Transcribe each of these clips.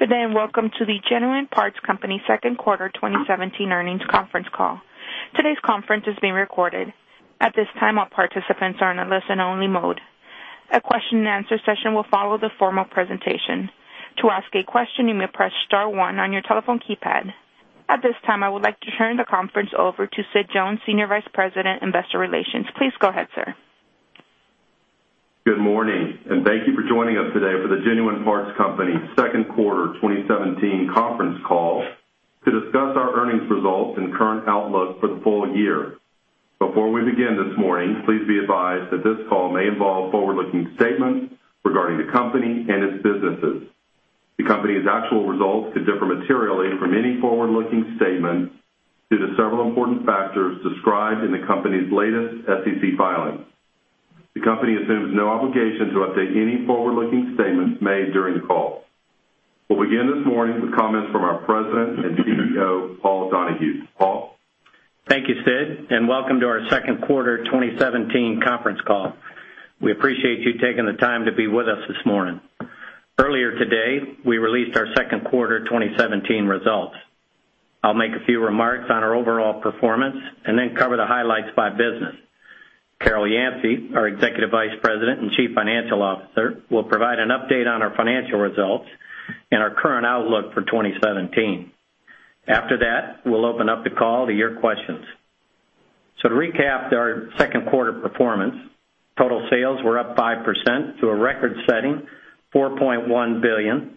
Good day, welcome to the Genuine Parts Company second quarter 2017 earnings conference call. Today's conference is being recorded. At this time, all participants are in a listen-only mode. A question-and-answer session will follow the formal presentation. To ask a question, you may press star one on your telephone keypad. At this time, I would like to turn the conference over to Sid Jones, Senior Vice President, Investor Relations. Please go ahead, sir. Good morning, thank you for joining us today for the Genuine Parts Company second quarter 2017 conference call to discuss our earnings results and current outlook for the full year. Before we begin this morning, please be advised that this call may involve forward-looking statements regarding the company and its businesses. The company's actual results could differ materially from any forward-looking statements due to several important factors described in the company's latest SEC filings. The company assumes no obligation to update any forward-looking statements made during the call. We'll begin this morning with comments from our President and CEO, Paul Donahue. Paul? Thank you, Sid, welcome to our second quarter 2017 conference call. We appreciate you taking the time to be with us this morning. Earlier today, we released our second quarter 2017 results. I'll make a few remarks on our overall performance and then cover the highlights by business. Carol Yancey, our Executive Vice President and Chief Financial Officer, will provide an update on our financial results and our current outlook for 2017. After that, we'll open up the call to your questions. To recap our second quarter performance, total sales were up 5% to a record-setting $4.1 billion,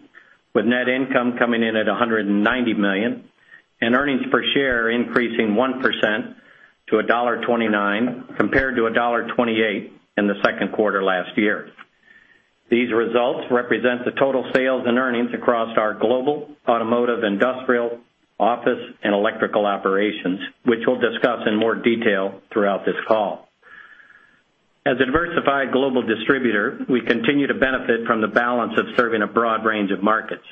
with net income coming in at $190 million and earnings per share increasing 1% to $1.29, compared to $1.28 in the second quarter last year. These results represent the total sales and earnings across our global automotive, industrial, office, and electrical operations, which we'll discuss in more detail throughout this call. As a diversified global distributor, we continue to benefit from the balance of serving a broad range of markets.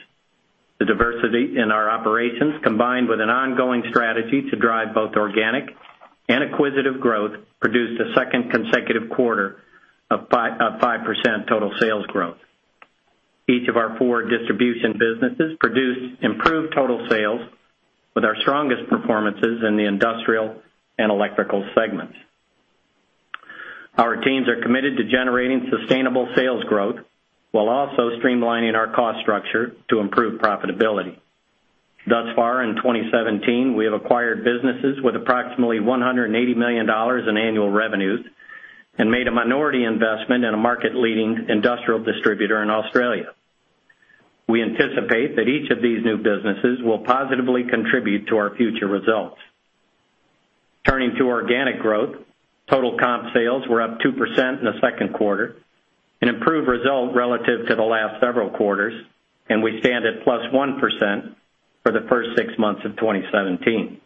The diversity in our operations, combined with an ongoing strategy to drive both organic and acquisitive growth, produced a second consecutive quarter of 5% total sales growth. Each of our four distribution businesses produced improved total sales with our strongest performances in the industrial and electrical segments. Our teams are committed to generating sustainable sales growth while also streamlining our cost structure to improve profitability. Thus far in 2017, we have acquired businesses with approximately $180 million in annual revenues and made a minority investment in a market-leading industrial distributor in Australia. We anticipate that each of these new businesses will positively contribute to our future results. Turning to organic growth, total comp sales were up 2% in the second quarter, an improved result relative to the last several quarters, and we stand at +1% for the first six months of 2017.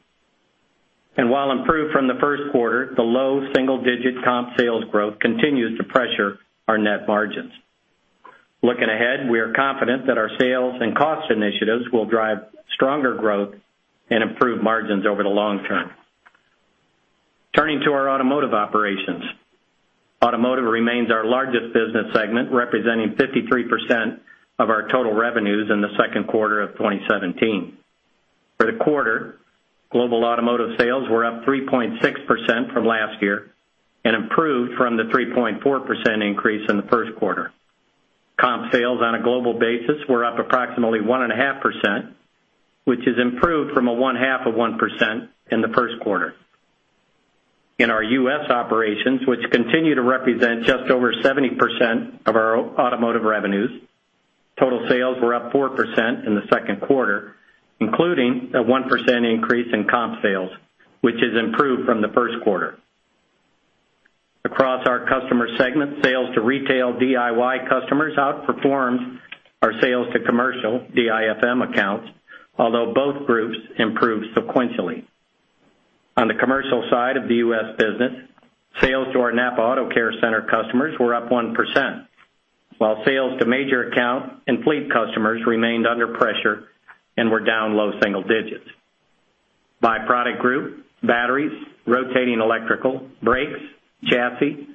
While improved from the first quarter, the low single-digit comp sales growth continues to pressure our net margins. Looking ahead, we are confident that our sales and cost initiatives will drive stronger growth and improve margins over the long term. Turning to our Automotive operations. Automotive remains our largest business segment, representing 53% of our total revenues in the second quarter of 2017. For the quarter, global Automotive sales were up 3.6% from last year and improved from the 3.4% increase in the first quarter. Comp sales on a global basis were up approximately 1.5%, which is improved from a 0.5% in the first quarter. In our U.S. operations, which continue to represent just over 70% of our Automotive revenues, total sales were up 4% in the second quarter, including a 1% increase in comp sales, which is improved from the first quarter. Across our customer segment, sales to retail DIY customers outperformed our sales to commercial DIFM accounts, although both groups improved sequentially. On the commercial side of the U.S. business, sales to our NAPA AutoCare Center customers were up 1%, while sales to major account and fleet customers remained under pressure and were down low single digits. By product group, batteries, rotating electrical, brakes, chassis,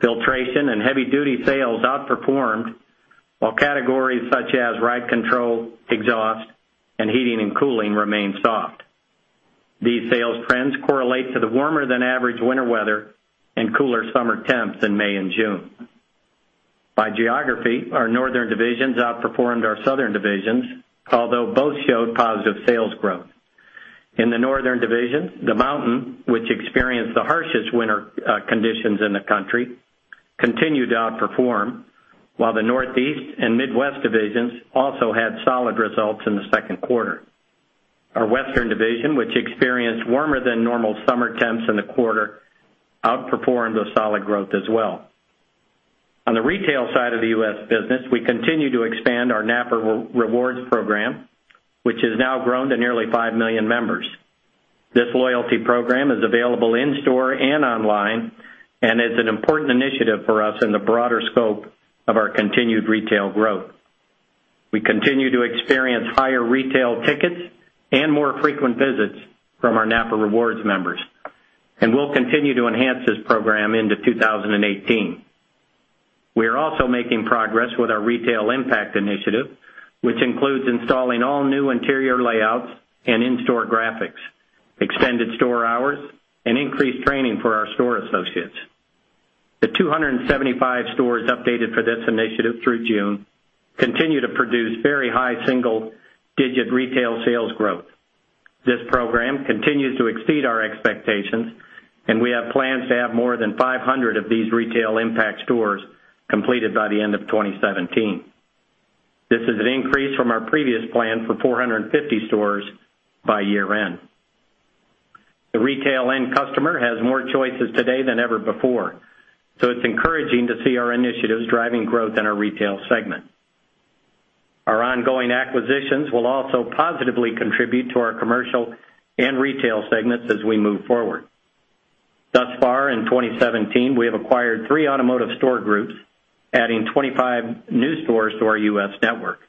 filtration, and heavy-duty sales outperformed, while categories such as ride control, exhaust, and heating and cooling remained soft. These sales trends correlate to the warmer-than-average winter weather and cooler summer temps in May and June. By geography, our northern divisions outperformed our southern divisions, although both showed positive sales growth. In the northern division, the mountain, which experienced the harshest winter conditions in the country, continued to outperform, while the northeast and midwest divisions also had solid results in the second quarter. Our western division, which experienced warmer-than-normal summer temps in the quarter, outperformed with solid growth as well. On the retail side of the U.S. business, we continue to expand our NAPA Rewards program, which has now grown to nearly five million members. This loyalty program is available in-store and online and is an important initiative for us in the broader scope of our continued retail growth. We continue to experience higher retail tickets and more frequent visits from our NAPA Rewards members. We'll continue to enhance this program into 2018. We are also making progress with our Retail Impact initiative, which includes installing all new interior layouts and in-store graphics, extended store hours, and increased training for our store associates. The 275 stores updated for this initiative through June continue to produce very high single-digit retail sales growth. This program continues to exceed our expectations. We have plans to have more than 500 of these Retail Impact stores completed by the end of 2017. This is an increase from our previous plan for 450 stores by year-end. The retail end customer has more choices today than ever before. It's encouraging to see our initiatives driving growth in our retail segment. Our ongoing acquisitions will also positively contribute to our commercial and retail segments as we move forward. Thus far in 2017, we have acquired three automotive store groups, adding 25 new stores to our U.S. network.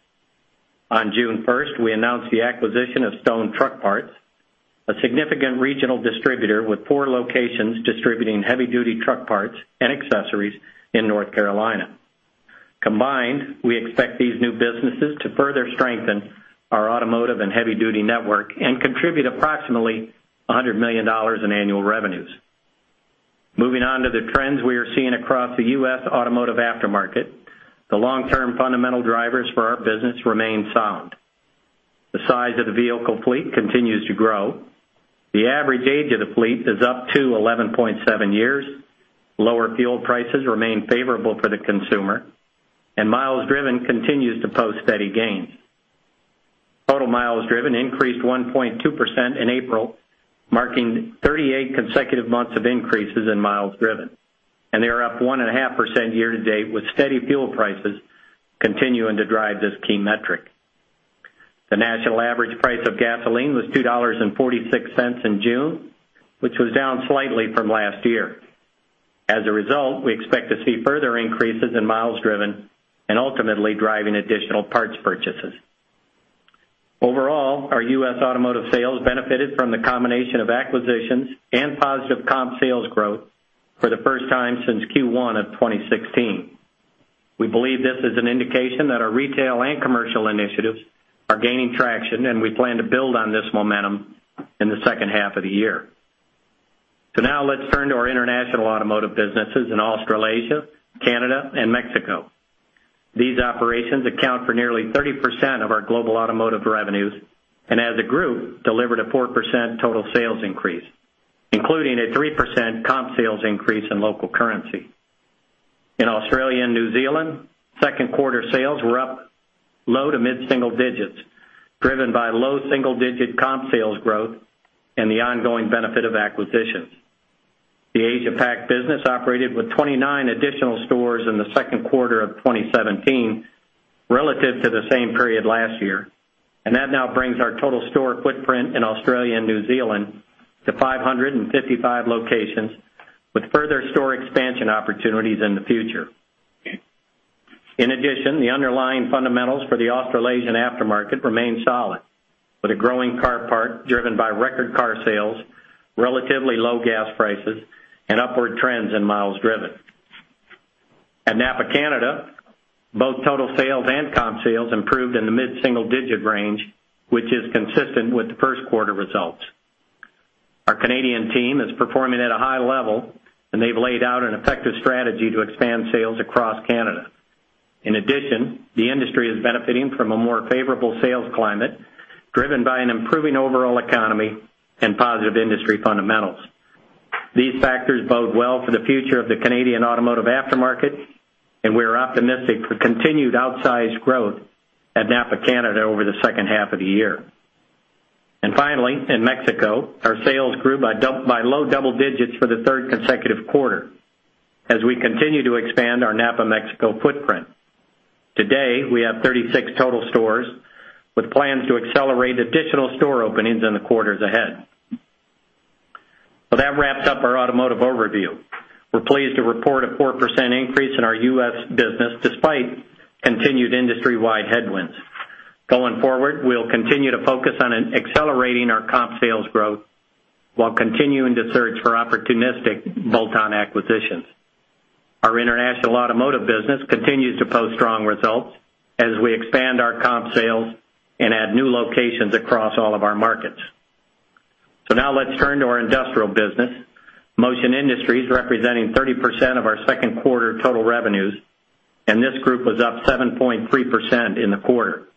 On June 1st, we announced the acquisition of Stone Truck Parts, a significant regional distributor with four locations distributing heavy-duty truck parts and accessories in North Carolina. Combined, we expect these new businesses to further strengthen our automotive and heavy-duty network and contribute approximately $100 million in annual revenues. Moving on to the trends we are seeing across the U.S. automotive aftermarket. The long-term fundamental drivers for our business remain sound. The size of the vehicle fleet continues to grow. The average age of the fleet is up to 11.7 years. Lower fuel prices remain favorable for the consumer, and miles driven continues to post steady gains. Total miles driven increased 1.2% in April, marking 38 consecutive months of increases in miles driven, and they are up 1.5% year-to-date, with steady fuel prices continuing to drive this key metric. The national average price of gasoline was $2.46 in June, which was down slightly from last year. As a result, we expect to see further increases in miles driven and ultimately driving additional parts purchases. Overall, our U.S. automotive sales benefited from the combination of acquisitions and positive comp sales growth for the first time since Q1 of 2016. We believe this is an indication that our retail and commercial initiatives are gaining traction, and we plan to build on this momentum in the second half of the year. Now let's turn to our international automotive businesses in Australasia, Canada, and Mexico. These operations account for nearly 30% of our global automotive revenues and, as a group, delivered a 4% total sales increase, including a 3% comp sales increase in local currency. In Australia and New Zealand, second quarter sales were up low to mid-single digits, driven by low single-digit comp sales growth and the ongoing benefit of acquisitions. The Asia Pac business operated with 29 additional stores in the second quarter of 2017 relative to the same period last year, and that now brings our total store footprint in Australia and New Zealand to 555 locations with further store expansion opportunities in the future. In addition, the underlying fundamentals for the Australasian aftermarket remain solid, with a growing car parc driven by record car sales, relatively low gas prices, and upward trends in miles driven. At NAPA Canada, both total sales and comp sales improved in the mid-single-digit range, which is consistent with the first quarter results. Our Canadian team is performing at a high level, and they've laid out an effective strategy to expand sales across Canada. In addition, the industry is benefiting from a more favorable sales climate driven by an improving overall economy and positive industry fundamentals. These factors bode well for the future of the Canadian automotive aftermarket, and we are optimistic for continued outsized growth at NAPA Canada over the second half of the year. Finally, in Mexico, our sales grew by low double digits for the third consecutive quarter as we continue to expand our NAPA Mexico footprint. To date, we have 36 total stores with plans to accelerate additional store openings in the quarters ahead. That wraps up our automotive overview. We're pleased to report a 4% increase in our U.S. business despite continued industry-wide headwinds. Going forward, we'll continue to focus on accelerating our comp sales growth while continuing to search for opportunistic bolt-on acquisitions. Our international automotive business continues to post strong results as we expand our comp sales and add new locations across all of our markets. Now let's turn to our industrial business. Motion Industries, representing 30% of our second quarter total revenues, and this group was up 7.3% in the quarter.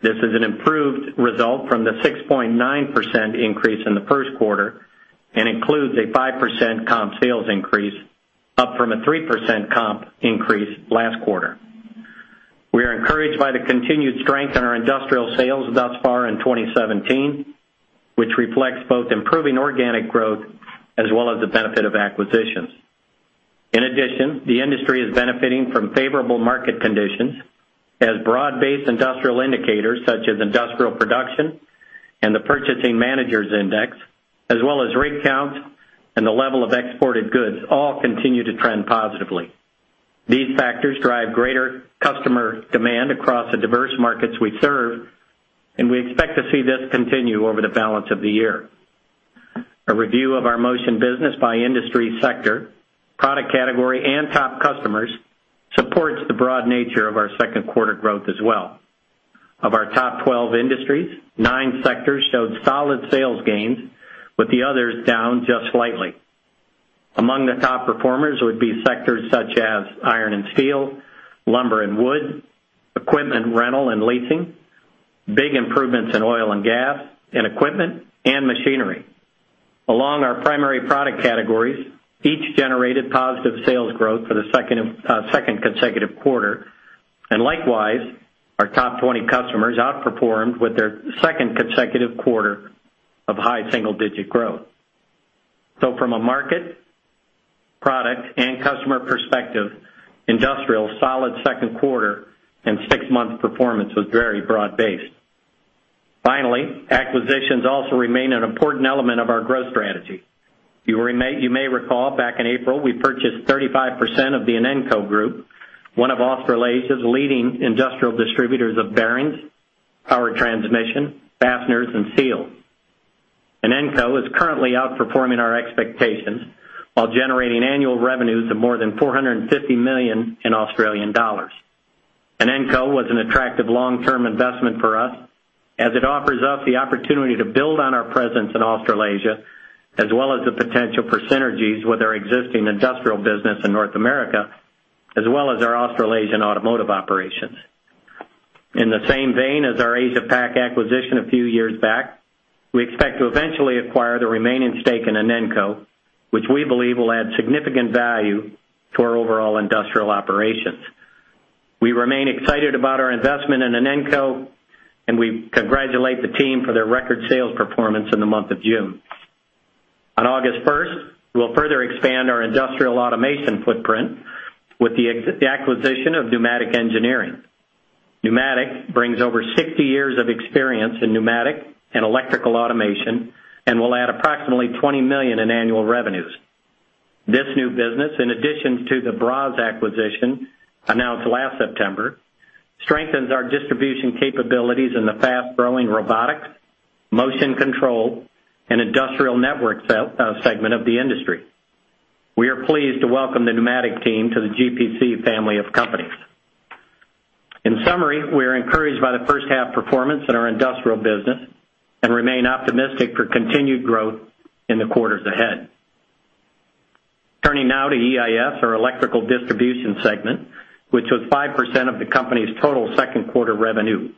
This is an improved result from the 6.9% increase in the first quarter and includes a 5% comp sales increase, up from a 3% comp increase last quarter. We are encouraged by the continued strength in our industrial sales thus far in 2017, which reflects both improving organic growth as well as the benefit of acquisitions. In addition, the industry is benefiting from favorable market conditions as broad-based industrial indicators such as industrial production and the Purchasing Managers' Index, as well as rig counts and the level of exported goods, all continue to trend positively. These factors drive greater customer demand across the diverse markets we serve, and we expect to see this continue over the balance of the year. A review of our Motion business by industry sector, product category, and top customers supports the broad nature of our second quarter growth as well. Of our top 12 industries, nine sectors showed solid sales gains, with the others down just slightly. Among the top performers would be sectors such as iron and steel, lumber and wood, equipment rental and leasing, big improvements in oil and gas, and equipment and machinery. Along our primary product categories, each generated positive sales growth for the second consecutive quarter, and likewise, our top 20 customers outperformed with their second consecutive quarter of high single-digit growth. From a market, product, and customer perspective, industrial solid second quarter and six-month performance was very broad-based. Finally, acquisitions also remain an important element of our growth strategy. You may recall back in April, we purchased 35% of the Inenco Group, one of Australasia's leading industrial distributors of bearings, power transmission, fasteners, and seals. Inenco is currently outperforming our expectations while generating annual revenues of more than 450 million. Inenco was an attractive long-term investment for us, as it offers us the opportunity to build on our presence in Australasia, as well as the potential for synergies with our existing industrial business in North America, as well as our Australasian automotive operations. In the same vein as our Asia Pac acquisition a few years back, we expect to eventually acquire the remaining stake in Inenco, which we believe will add significant value to our overall industrial operations. We remain excited about our investment in Inenco, and we congratulate the team for their record sales performance in the month of June. On August 1st, we'll further expand our industrial automation footprint with the acquisition of Pneumatic Engineering. Pneumatic brings over 60 years of experience in pneumatic and electrical automation and will add approximately $20 million in annual revenues. This new business, in addition to the Braas acquisition announced last September, strengthens our distribution capabilities in the fast-growing robotics, motion control, and industrial network segment of the industry. We are pleased to welcome the Pneumatic team to the GPC family of companies. In summary, we are encouraged by the first-half performance in our industrial business and remain optimistic for continued growth in the quarters ahead. Turning now to EIS, our electrical distribution segment, which was 5% of the company's total second-quarter revenues.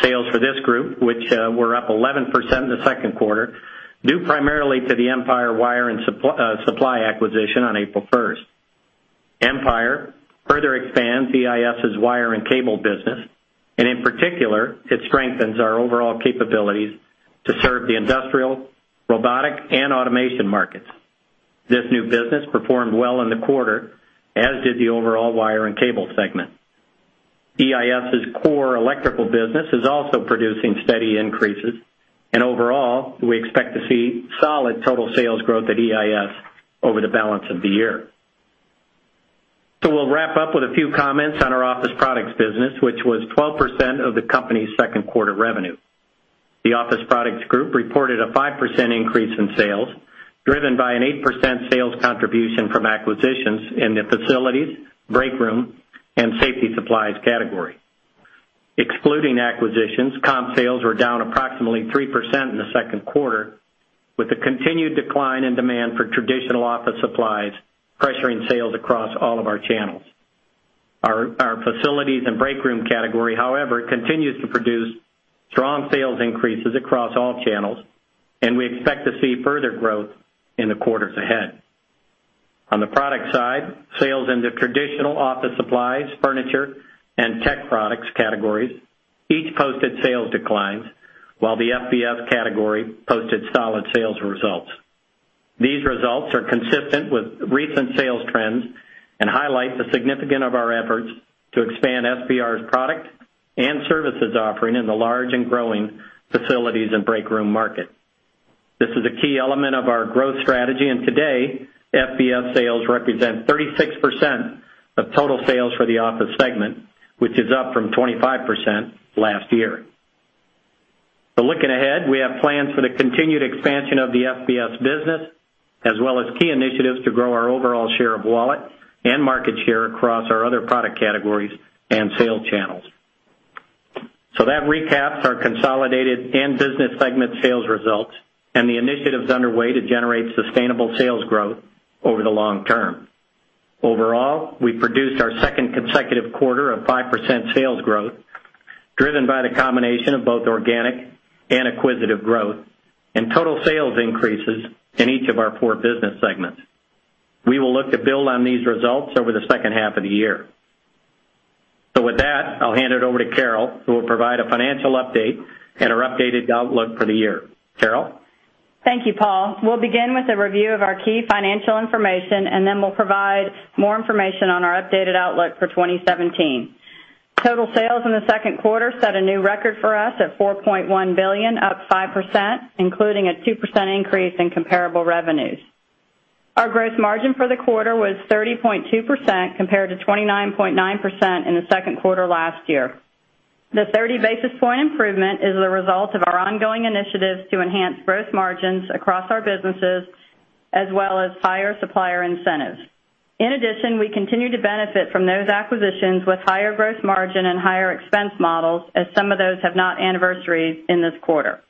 Sales for this group, which were up 11% in the second quarter, due primarily to the Empire Wire and Supply acquisition on April 1st. Empire further expands EIS' wire and cable business, and in particular, it strengthens our overall capabilities to serve the industrial, robotic, and automation markets. This new business performed well in the quarter, as did the overall wire and cable segment. EIS' core electrical business is also producing steady increases, and overall, we expect to see solid total sales growth at EIS over the balance of the year. We'll wrap up with a few comments on our office products business, which was 12% of the company's second quarter revenue. The Office Products Group reported a 5% increase in sales, driven by an 8% sales contribution from acquisitions in the facilities, breakroom, and safety supplies category. Excluding acquisitions, comp sales were down approximately 3% in the second quarter, with the continued decline in demand for traditional office supplies pressuring sales across all of our channels. Our facilities and breakroom category, however, continues to produce strong sales increases across all channels, and we expect to see further growth in the quarters ahead. On the product side, sales in the traditional office supplies, furniture, and tech products categories each posted sales declines, while the FBF category posted solid sales results. These results are consistent with recent sales trends and highlight the significance of our efforts to expand SPR's product and services offering in the large and growing facilities and breakroom market. This is a key element of our growth strategy, and today, FBF sales represent 36% of total sales for the office segment, which is up from 25% last year. Looking ahead, we have plans for the continued expansion of the FBF business, as well as key initiatives to grow our overall share of wallet and market share across our other product categories and sales channels. That recaps our consolidated and business segment sales results and the initiatives underway to generate sustainable sales growth over the long term. Overall, we produced our second consecutive quarter of 5% sales growth, driven by the combination of both organic and acquisitive growth and total sales increases in each of our four business segments. We will look to build on these results over the second half of the year. With that, I'll hand it over to Carol, who will provide a financial update and our updated outlook for the year. Carol? Thank you, Paul. We'll begin with a review of our key financial information. We'll provide more information on our updated outlook for 2017. Total sales in the second quarter set a new record for us at $4.1 billion, up 5%, including a 2% increase in comparable revenues. Our gross margin for the quarter was 30.2% compared to 29.9% in the second quarter last year. The 30 basis point improvement is the result of our ongoing initiatives to enhance gross margins across our businesses, as well as higher supplier incentives. In addition, we continue to benefit from those acquisitions with higher gross margin and higher expense models, as some of those have not anniversaried in this quarter.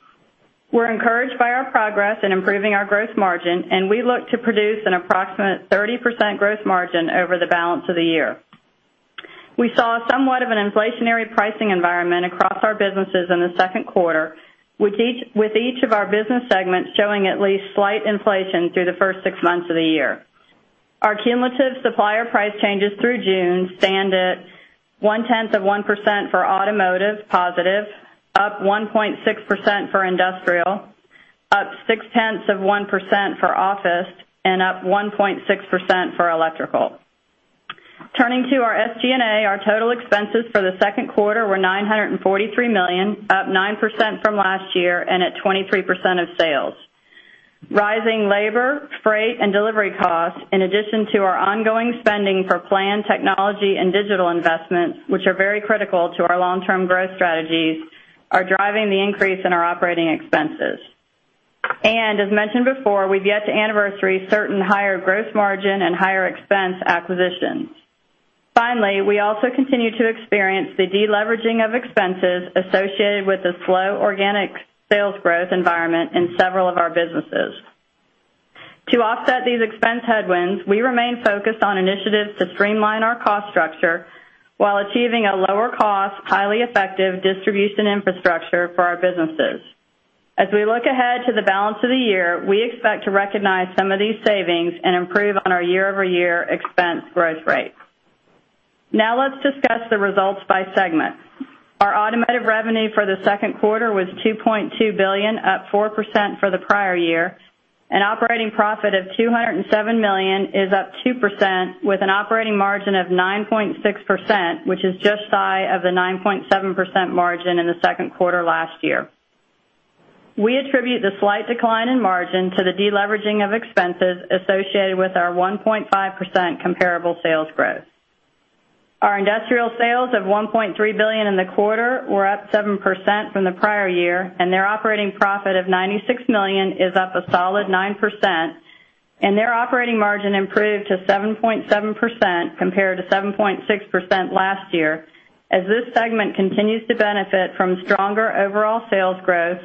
We're encouraged by our progress in improving our gross margin. We look to produce an approximate 30% gross margin over the balance of the year. We saw somewhat of an inflationary pricing environment across our businesses in the second quarter, with each of our business segments showing at least slight inflation through the first six months of the year. Our cumulative supplier price changes through June stand at one-tenth of 1% for automotive positive, up 1.6% for industrial, up six-tenths of 1% for office, and up 1.6% for electrical. Turning to our SG&A, our total expenses for the second quarter were $943 million, up 9% from last year and at 23% of sales. Rising labor, freight, and delivery costs, in addition to our ongoing spending for planned technology and digital investments, which are very critical to our long-term growth strategies, are driving the increase in our operating expenses. As mentioned before, we've yet to anniversary certain higher gross margin and higher expense acquisitions. We also continue to experience the de-leveraging of expenses associated with the slow organic sales growth environment in several of our businesses. To offset these expense headwinds, we remain focused on initiatives to streamline our cost structure while achieving a lower cost, highly effective distribution infrastructure for our businesses. As we look ahead to the balance of the year, we expect to recognize some of these savings and improve on our year-over-year expense growth rate. Let's discuss the results by segment. Our automotive revenue for the second quarter was $2.2 billion, up 4% for the prior year, and operating profit of $207 million is up 2% with an operating margin of 9.6%, which is just shy of the 9.7% margin in the second quarter last year. We attribute the slight decline in margin to the de-leveraging of expenses associated with our 1.5% comparable sales growth. Our industrial sales of $1.3 billion in the quarter were up 7% from the prior year. Their operating profit of $96 million is up a solid 9%. Their operating margin improved to 7.7% compared to 7.6% last year, as this segment continues to benefit from stronger overall sales growth,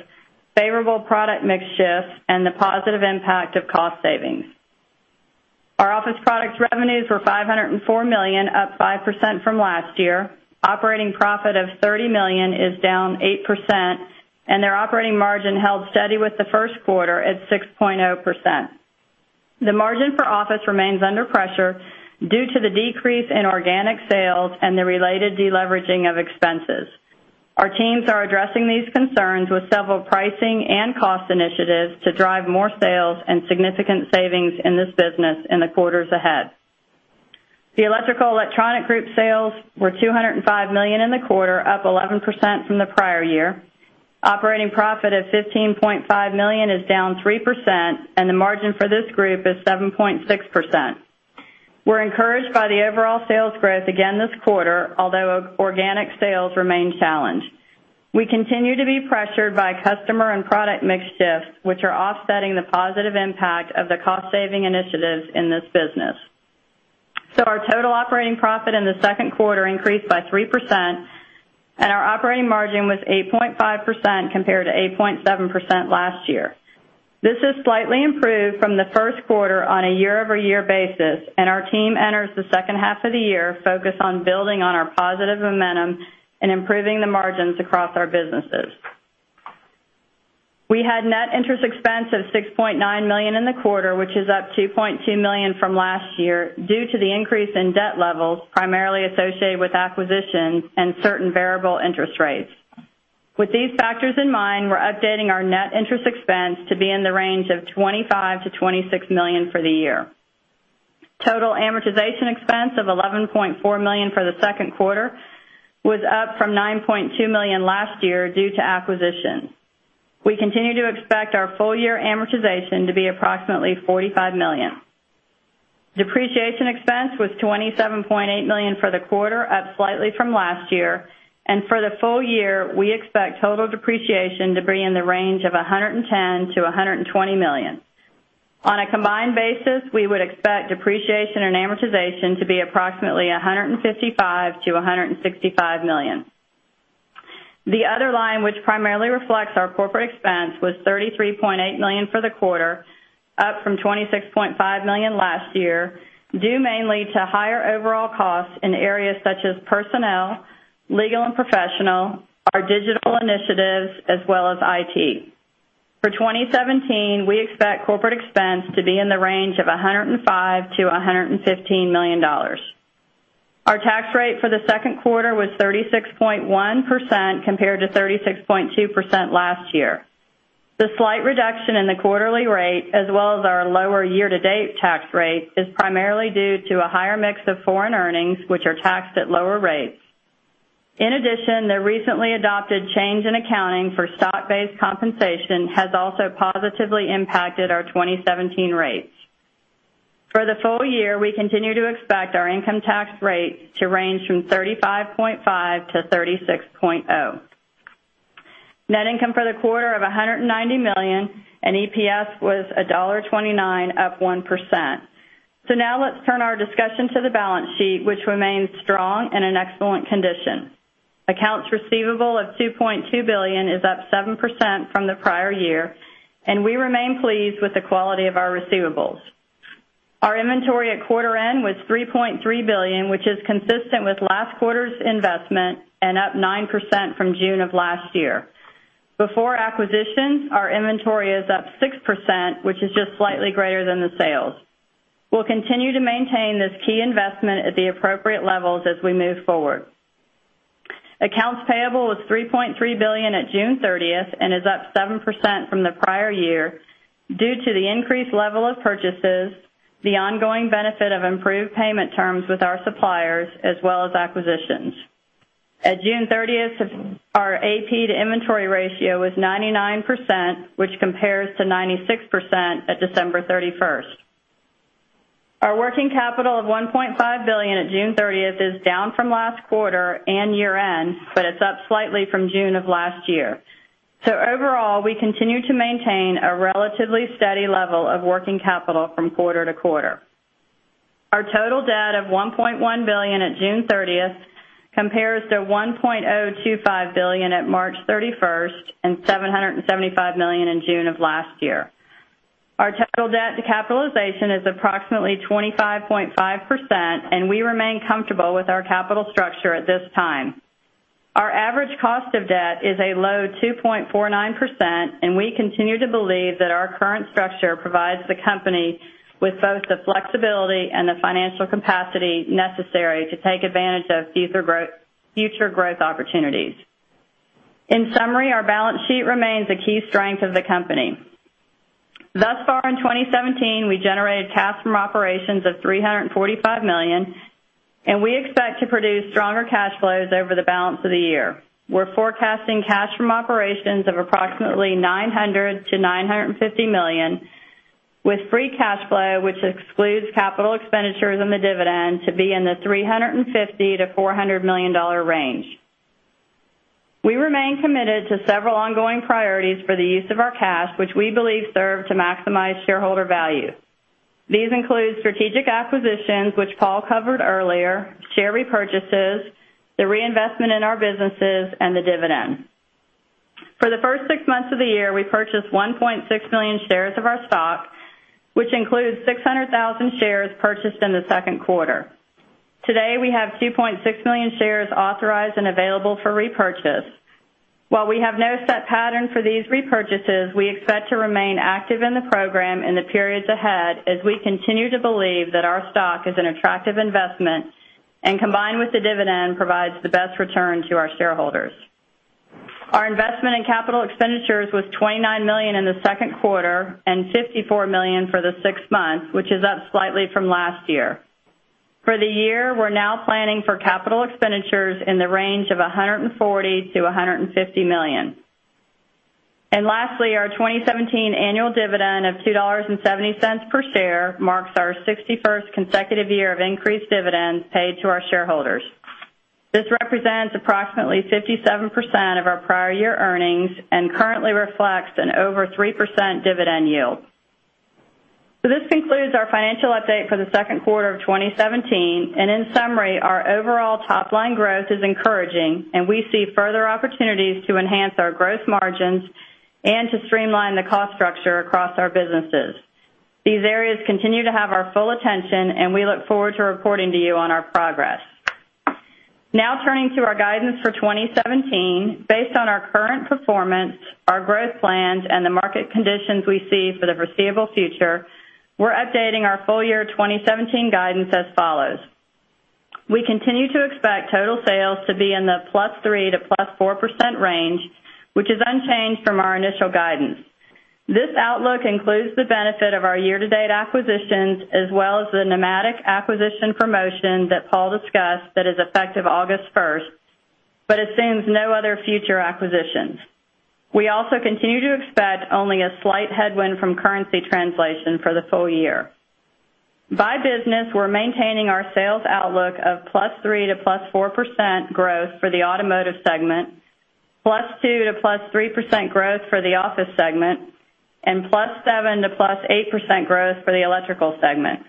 favorable product mix shifts, and the positive impact of cost savings. Our office products revenues were $504 million, up 5% from last year. Operating profit of $30 million is down 8%. Their operating margin held steady with the first quarter at 6.0%. The margin for office remains under pressure due to the decrease in organic sales and the related de-leveraging of expenses. Our teams are addressing these concerns with several pricing and cost initiatives to drive more sales and significant savings in this business in the quarters ahead. The Electrical/Electronic Group sales were $205 million in the quarter, up 11% from the prior year. Operating profit of $15.5 million is down 3%, and the margin for this group is 7.6%. We're encouraged by the overall sales growth again this quarter, although organic sales remain challenged. We continue to be pressured by customer and product mix shifts, which are offsetting the positive impact of the cost-saving initiatives in this business. Our total operating profit in the second quarter increased by 3%, and our operating margin was 8.5% compared to 8.7% last year. This is slightly improved from the first quarter on a year-over-year basis, and our team enters the second half of the year focused on building on our positive momentum and improving the margins across our businesses. We had net interest expense of $6.9 million in the quarter, which is up $2.2 million from last year due to the increase in debt levels, primarily associated with acquisitions and certain variable interest rates. With these factors in mind, we're updating our net interest expense to be in the range of $25 million-$26 million for the year. Total amortization expense of $11.4 million for the second quarter was up from $9.2 million last year due to acquisition. We continue to expect our full year amortization to be approximately $45 million. Depreciation expense was $27.8 million for the quarter, up slightly from last year, and for the full year, we expect total depreciation to be in the range of $110 million-$120 million. On a combined basis, we would expect depreciation and amortization to be approximately $155 million-$165 million. The other line, which primarily reflects our corporate expense, was $33.8 million for the quarter, up from $26.5 million last year, due mainly to higher overall costs in areas such as personnel, legal and professional, our digital initiatives, as well as IT. For 2017, we expect corporate expense to be in the range of $105 million-$115 million. Our tax rate for the second quarter was 36.1% compared to 36.2% last year. The slight reduction in the quarterly rate, as well as our lower year-to-date tax rate, is primarily due to a higher mix of foreign earnings, which are taxed at lower rates. In addition, the recently adopted change in accounting for stock-based compensation has also positively impacted our 2017 rates. For the full year, we continue to expect our income tax rate to range from 35.5%-36.0%. Net income for the quarter of $190 million and EPS was $1.29, up 1%. Now let's turn our discussion to the balance sheet, which remains strong in an excellent condition. Accounts receivable of $2.2 billion is up 7% from the prior year, and we remain pleased with the quality of our receivables. Our inventory at quarter end was $3.3 billion, which is consistent with last quarter's investment and up 9% from June of last year. Before acquisitions, our inventory is up 6%, which is just slightly greater than the sales. We'll continue to maintain this key investment at the appropriate levels as we move forward. Accounts payable was $3.3 billion at June 30th and is up 7% from the prior year due to the increased level of purchases, the ongoing benefit of improved payment terms with our suppliers, as well as acquisitions. At June 30th, our AP to inventory ratio was 99%, which compares to 96% at December 31st. Our working capital of $1.5 billion at June 30th is down from last quarter and year-end, but it's up slightly from June of last year. Overall, we continue to maintain a relatively steady level of working capital from quarter-to-quarter. Our total debt of $1.1 billion at June 30th compares to $1.025 billion at March 31st and $775 million in June of last year. Our total debt to capitalization is approximately 25.5%, and we remain comfortable with our capital structure at this time. Our average cost of debt is a low 2.49%, and we continue to believe that our current structure provides the company with both the flexibility and the financial capacity necessary to take advantage of future growth opportunities. In summary, our balance sheet remains a key strength of the company. Thus far in 2017, we generated cash from operations of $345 million, and we expect to produce stronger cash flows over the balance of the year. We're forecasting cash from operations of approximately $900 million-$950 million with free cash flow, which excludes capital expenditures and the dividend, to be in the $350 million-$400 million range. We remain committed to several ongoing priorities for the use of our cash, which we believe serve to maximize shareholder value. These include strategic acquisitions, which Paul covered earlier, share repurchases, the reinvestment in our businesses, and the dividend. For the first six months of the year, we purchased 1.6 million shares of our stock, which includes 600,000 shares purchased in the second quarter. Today, we have 2.6 million shares authorized and available for repurchase. While we have no set pattern for these repurchases, we expect to remain active in the program in the periods ahead as we continue to believe that our stock is an attractive investment and combined with the dividend, provides the best return to our shareholders. Our investment in capital expenditures was $29 million in the second quarter and $54 million for the six months, which is up slightly from last year. For the year, we're now planning for capital expenditures in the range of $140 million-$150 million. Lastly, our 2017 annual dividend of $2.70 per share marks our 61st consecutive year of increased dividends paid to our shareholders. This represents approximately 57% of our prior year earnings and currently reflects an over 3% dividend yield. This concludes our financial update for the second quarter of 2017. In summary, our overall top-line growth is encouraging, and we see further opportunities to enhance our growth margins and to streamline the cost structure across our businesses. These areas continue to have our full attention, and we look forward to reporting to you on our progress. Turning to our guidance for 2017. Based on our current performance, our growth plans, and the market conditions we see for the foreseeable future, we're updating our full year 2017 guidance as follows. We continue to expect total sales to be in the +3% to +4% range, which is unchanged from our initial guidance. This outlook includes the benefit of our year-to-date acquisitions, as well as the Pneumatic acquisition from Motion that Paul discussed that is effective August 1st, but assumes no other future acquisitions. We also continue to expect only a slight headwind from currency translation for the full year. By business, we're maintaining our sales outlook of +3% to +4% growth for the automotive segment, +2% to +3% growth for the Office segment, and +7% to +8% growth for the Electrical segment.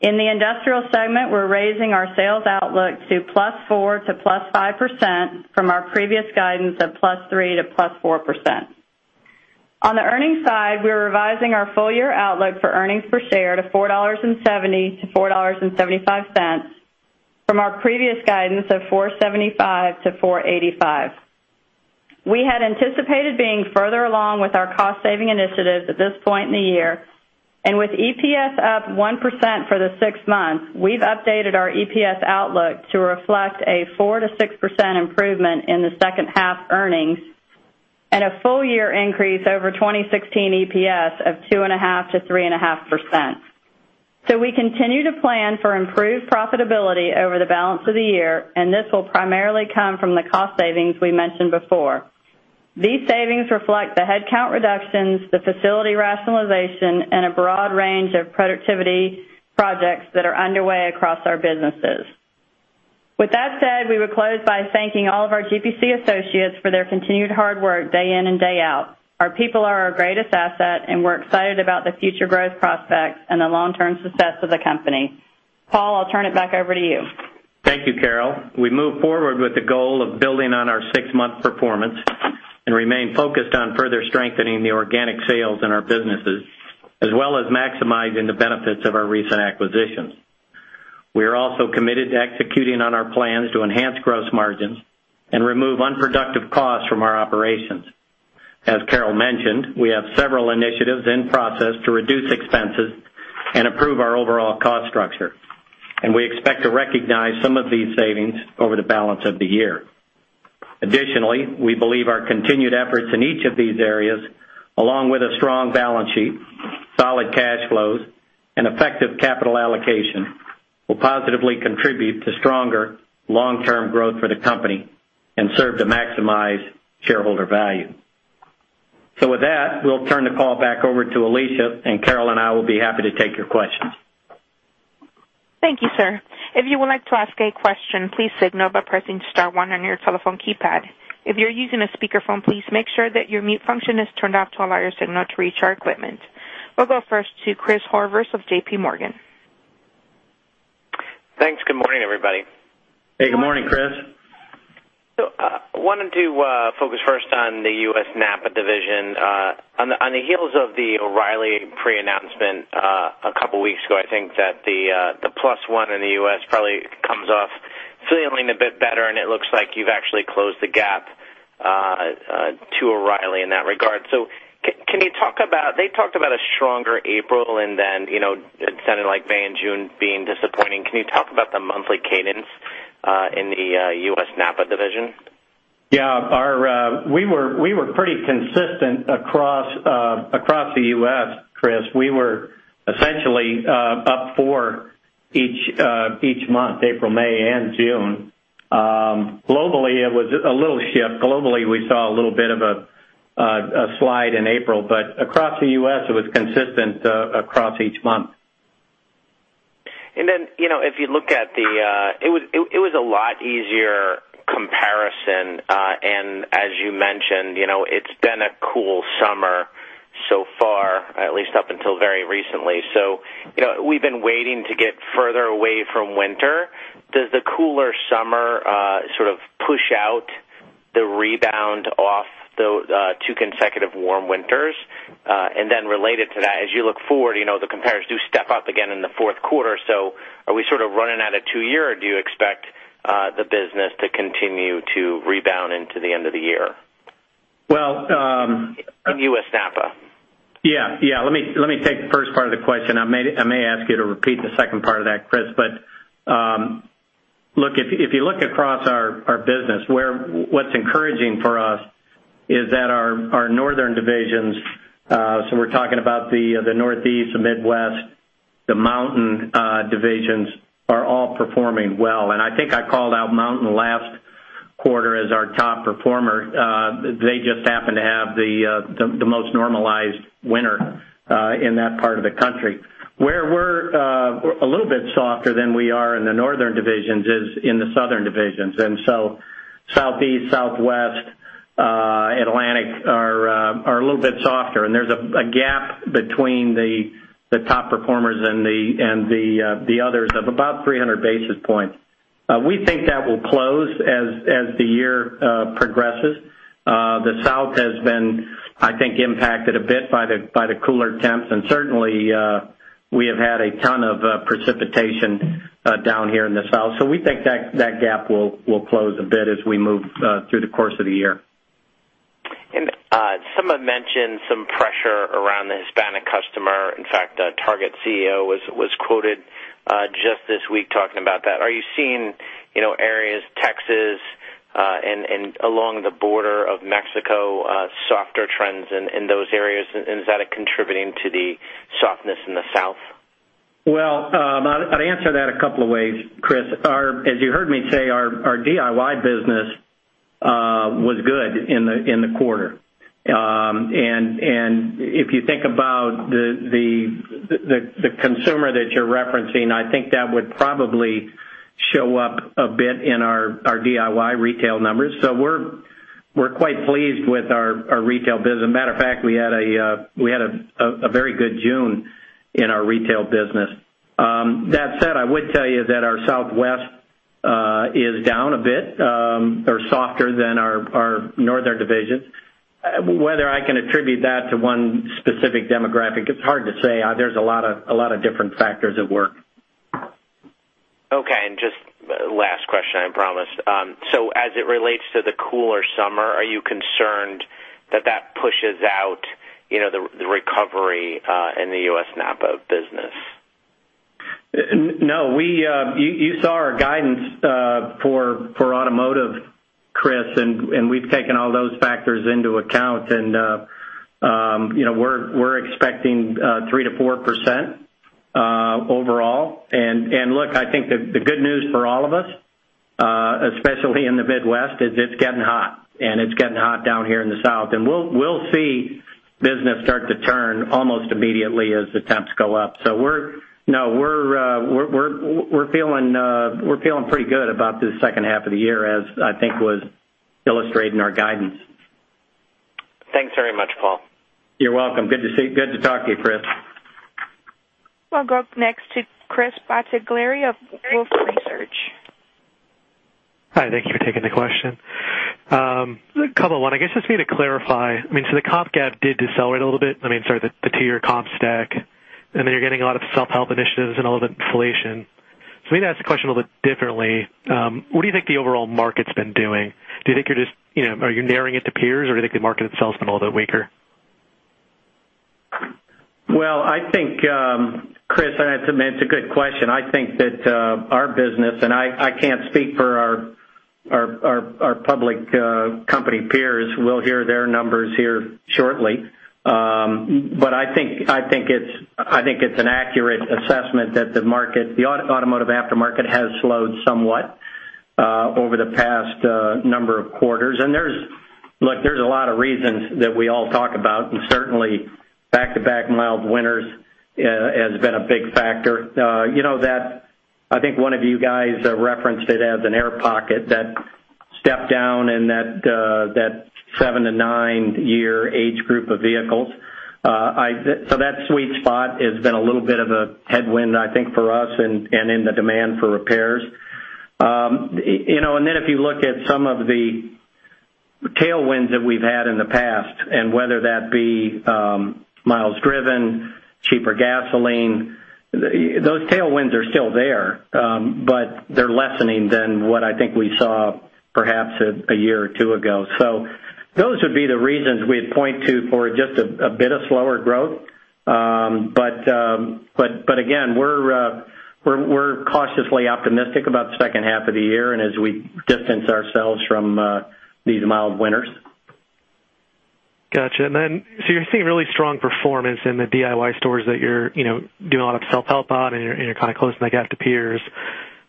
In the industrial segment, we're raising our sales outlook to +4% to +5% from our previous guidance of +3% to +4%. On the earnings side, we're revising our full year outlook for earnings per share to $4.70-$4.75 from our previous guidance of $4.75-$4.85. We had anticipated being further along with our cost-saving initiatives at this point in the year, and with EPS up 1% for the six months, we've updated our EPS outlook to reflect a 4%-6% improvement in the second half earnings and a full year increase over 2016 EPS of 2.5%-3.5%. We continue to plan for improved profitability over the balance of the year, and this will primarily come from the cost savings we mentioned before. These savings reflect the headcount reductions, the facility rationalization, and a broad range of productivity projects that are underway across our businesses. With that said, we will close by thanking all of our GPC associates for their continued hard work day in and day out. Our people are our greatest asset, and we're excited about the future growth prospects and the long-term success of the company. Paul, I'll turn it back over to you. Thank you, Carol. We move forward with the goal of building on our six-month performance and remain focused on further strengthening the organic sales in our businesses, as well as maximizing the benefits of our recent acquisitions. We are also committed to executing on our plans to enhance gross margins and remove unproductive costs from our operations. As Carol mentioned, we have several initiatives in process to reduce expenses and improve our overall cost structure, and we expect to recognize some of these savings over the balance of the year. Additionally, we believe our continued efforts in each of these areas, along with a strong balance sheet, solid cash flows, and effective capital allocation, will positively contribute to stronger long-term growth for the company and serve to maximize shareholder value. With that, we'll turn the call back over to Alicia, and Carol and I will be happy to take your questions. Thank you, sir. If you would like to ask a question, please signal by pressing star one on your telephone keypad. If you're using a speakerphone, please make sure that your mute function is turned off to allow your signal to reach our equipment. We'll go first to Christopher Horvers of JPMorgan. Thanks. Good morning, everybody. Hey, good morning, Chris. I wanted to focus first on the U.S. NAPA division. On the heels of the O'Reilly pre-announcement a couple of weeks ago, I think that the plus one in the U.S. probably comes off feeling a bit better, and it looks like you've actually closed the gap to O'Reilly in that regard. They talked about a stronger April and then it sounded like May and June being disappointing. Can you talk about the monthly cadence in the U.S. NAPA division? Yeah. We were pretty consistent across the U.S., Chris. We were essentially up four each month, April, May, and June. Globally, it was a little shift. Globally, we saw a little bit of a slide in April, but across the U.S., it was consistent across each month. It was a lot easier comparison, and as you mentioned, it's been a cool summer so far, at least up until very recently. We've been waiting to get further away from winter. Does the cooler summer sort of push out the rebound off the two consecutive warm winters? Related to that, as you look forward, the comparators do step up again in the fourth quarter. Are we sort of running out of two year, or do you expect the business to continue to rebound into the end of the year? Well- In U.S. NAPA. Yeah. Let me take the first part of the question. I may ask you to repeat the second part of that, Chris. If you look across our business, what's encouraging for us is that our northern divisions, so we're talking about the Northeast, the Midwest, the Mountain divisions, are all performing well. I think I called out Mountain last quarter as our top performer. They just happen to have the most normalized winter in that part of the country. Where we're a little bit softer than we are in the northern divisions is in the southern divisions. Southeast, Southwest, Atlantic are a little bit softer. There's a gap between the top performers and the others of about 300 basis points. We think that will close as the year progresses. The South has been, I think, impacted a bit by the cooler temps. Certainly, we have had a ton of precipitation down here in the South. We think that gap will close a bit as we move through the course of the year. Some have mentioned some pressure around the Hispanic customer. In fact, Target's CEO was quoted just this week talking about that. Are you seeing areas, Texas, and along the border of Mexico, softer trends in those areas? Is that contributing to the softness in the South? Well, I'd answer that a couple of ways, Chris. As you heard me say, our DIY business was good in the quarter. If you think about the consumer that you're referencing, I think that would probably show up a bit in our DIY retail numbers. We're quite pleased with our retail business. Matter of fact, we had a very good June in our retail business. That said, I would tell you that our Southwest is down a bit or softer than our northern divisions. Whether I can attribute that to one specific demographic, it's hard to say. There's a lot of different factors at work. Okay. Just last question, I promise. As it relates to the cooler summer, are you concerned that that pushes out the recovery in the U.S. NAPA business? No. You saw our guidance for automotive Chris, we've taken all those factors into account and we're expecting 3%-4% overall. Look, I think the good news for all of us, especially in the Midwest, is it's getting hot, and it's getting hot down here in the South. We'll see business start to turn almost immediately as the temps go up. We're feeling pretty good about this second half of the year, as I think was illustrated in our guidance. Thanks very much, Paul. You're welcome. Good to talk to you, Chris. We'll go up next to Chris Bottiglieri of Wolfe Research. Hi, thank you for taking the question. A couple of one, I guess just for you to clarify, the comp gap did decelerate a little bit, sorry, the two-year comp stack, and then you're getting a lot of self-help initiatives and all that inflation. Maybe I'll ask the question a little bit differently. What do you think the overall market's been doing? Are you narrowing it to peers, or do you think the market itself has been a little bit weaker? Well, Chris, it's a good question. I think that our business, I can't speak for our public company peers. We'll hear their numbers here shortly. I think it's an accurate assessment that the automotive aftermarket has slowed somewhat over the past number of quarters. Look, there's a lot of reasons that we all talk about, and certainly back-to-back mild winters has been a big factor. I think one of you guys referenced it as an air pocket, that step-down in that 7- to 9-year age group of vehicles. That sweet spot has been a little bit of a headwind, I think, for us and in the demand for repairs. If you look at some of the tailwinds that we've had in the past, and whether that be miles driven, cheaper gasoline, those tailwinds are still there, but they're lessening than what I think we saw perhaps a year or two ago. Those would be the reasons we'd point to for just a bit of slower growth. Again, we're cautiously optimistic about the second half of the year and as we distance ourselves from these mild winters. Got you. You're seeing really strong performance in the DIY stores that you're doing a lot of self-help on, and you're kind of closing that gap to peers.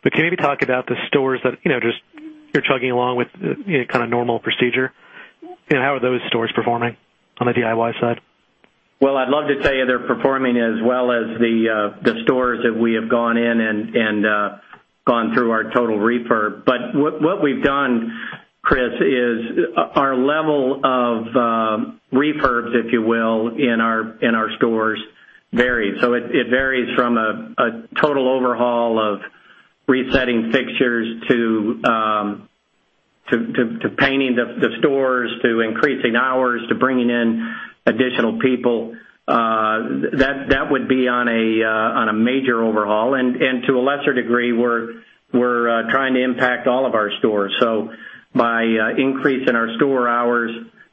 Can you maybe talk about the stores that you're chugging along with kind of normal procedure? How are those stores performing on the DIY side? Well, I'd love to tell you they're performing as well as the stores that we have gone in and gone through our total refurb. What we've done, Chris, is our level of refurbs, if you will, in our stores varies. It varies from a total overhaul of resetting fixtures to painting the stores, to increasing hours, to bringing in additional people. That would be on a major overhaul. To a lesser degree, we're trying to impact all of our stores. By increasing our store hours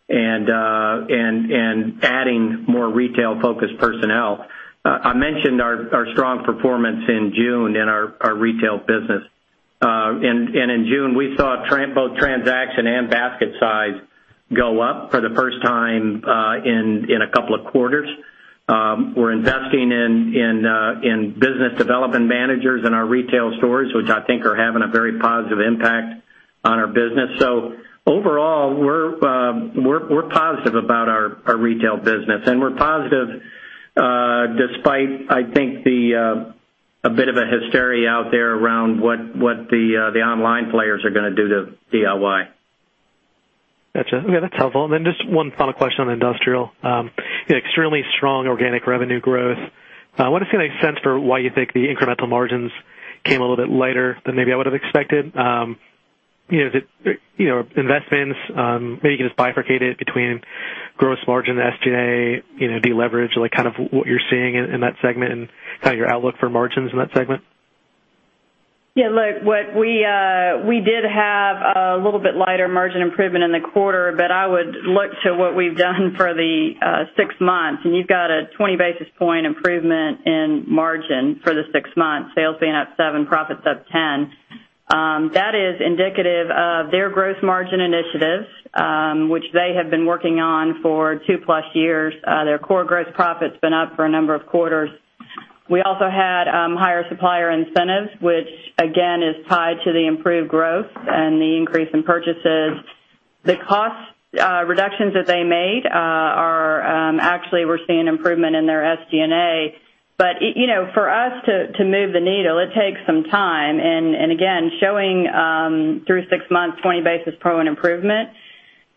and adding more retail-focused personnel. I mentioned our strong performance in June in our retail business. In June, we saw both transaction and basket size go up for the first time in a couple of quarters. We're investing in business development managers in our retail stores, which I think are having a very positive impact on our business. Overall, we're positive about our retail business, and we're positive despite, I think, a bit of a hysteria out there around what the online players are going to do to DIY. Got you. Okay. That's helpful. Then just one final question on industrial. Extremely strong organic revenue growth. I want to get a sense for why you think the incremental margins came a little bit lighter than maybe I would've expected. Investments, maybe you can just bifurcate it between gross margin, SG&A, deleverage, what you're seeing in that segment and your outlook for margins in that segment. Yeah, look, we did have a little bit lighter margin improvement in the quarter, I would look to what we've done for the six months, and you've got a 20-basis point improvement in margin for the six months, sales being up seven, profits up 10. That is indicative of their gross margin initiatives, which they have been working on for two-plus years. Their core gross profit's been up for a number of quarters. We also had higher supplier incentives, which again, is tied to the improved growth and the increase in purchases. The cost reductions that they made are actually we're seeing improvement in their SG&A. For us to move the needle, it takes some time. Again, showing through six months, 20-basis point improvement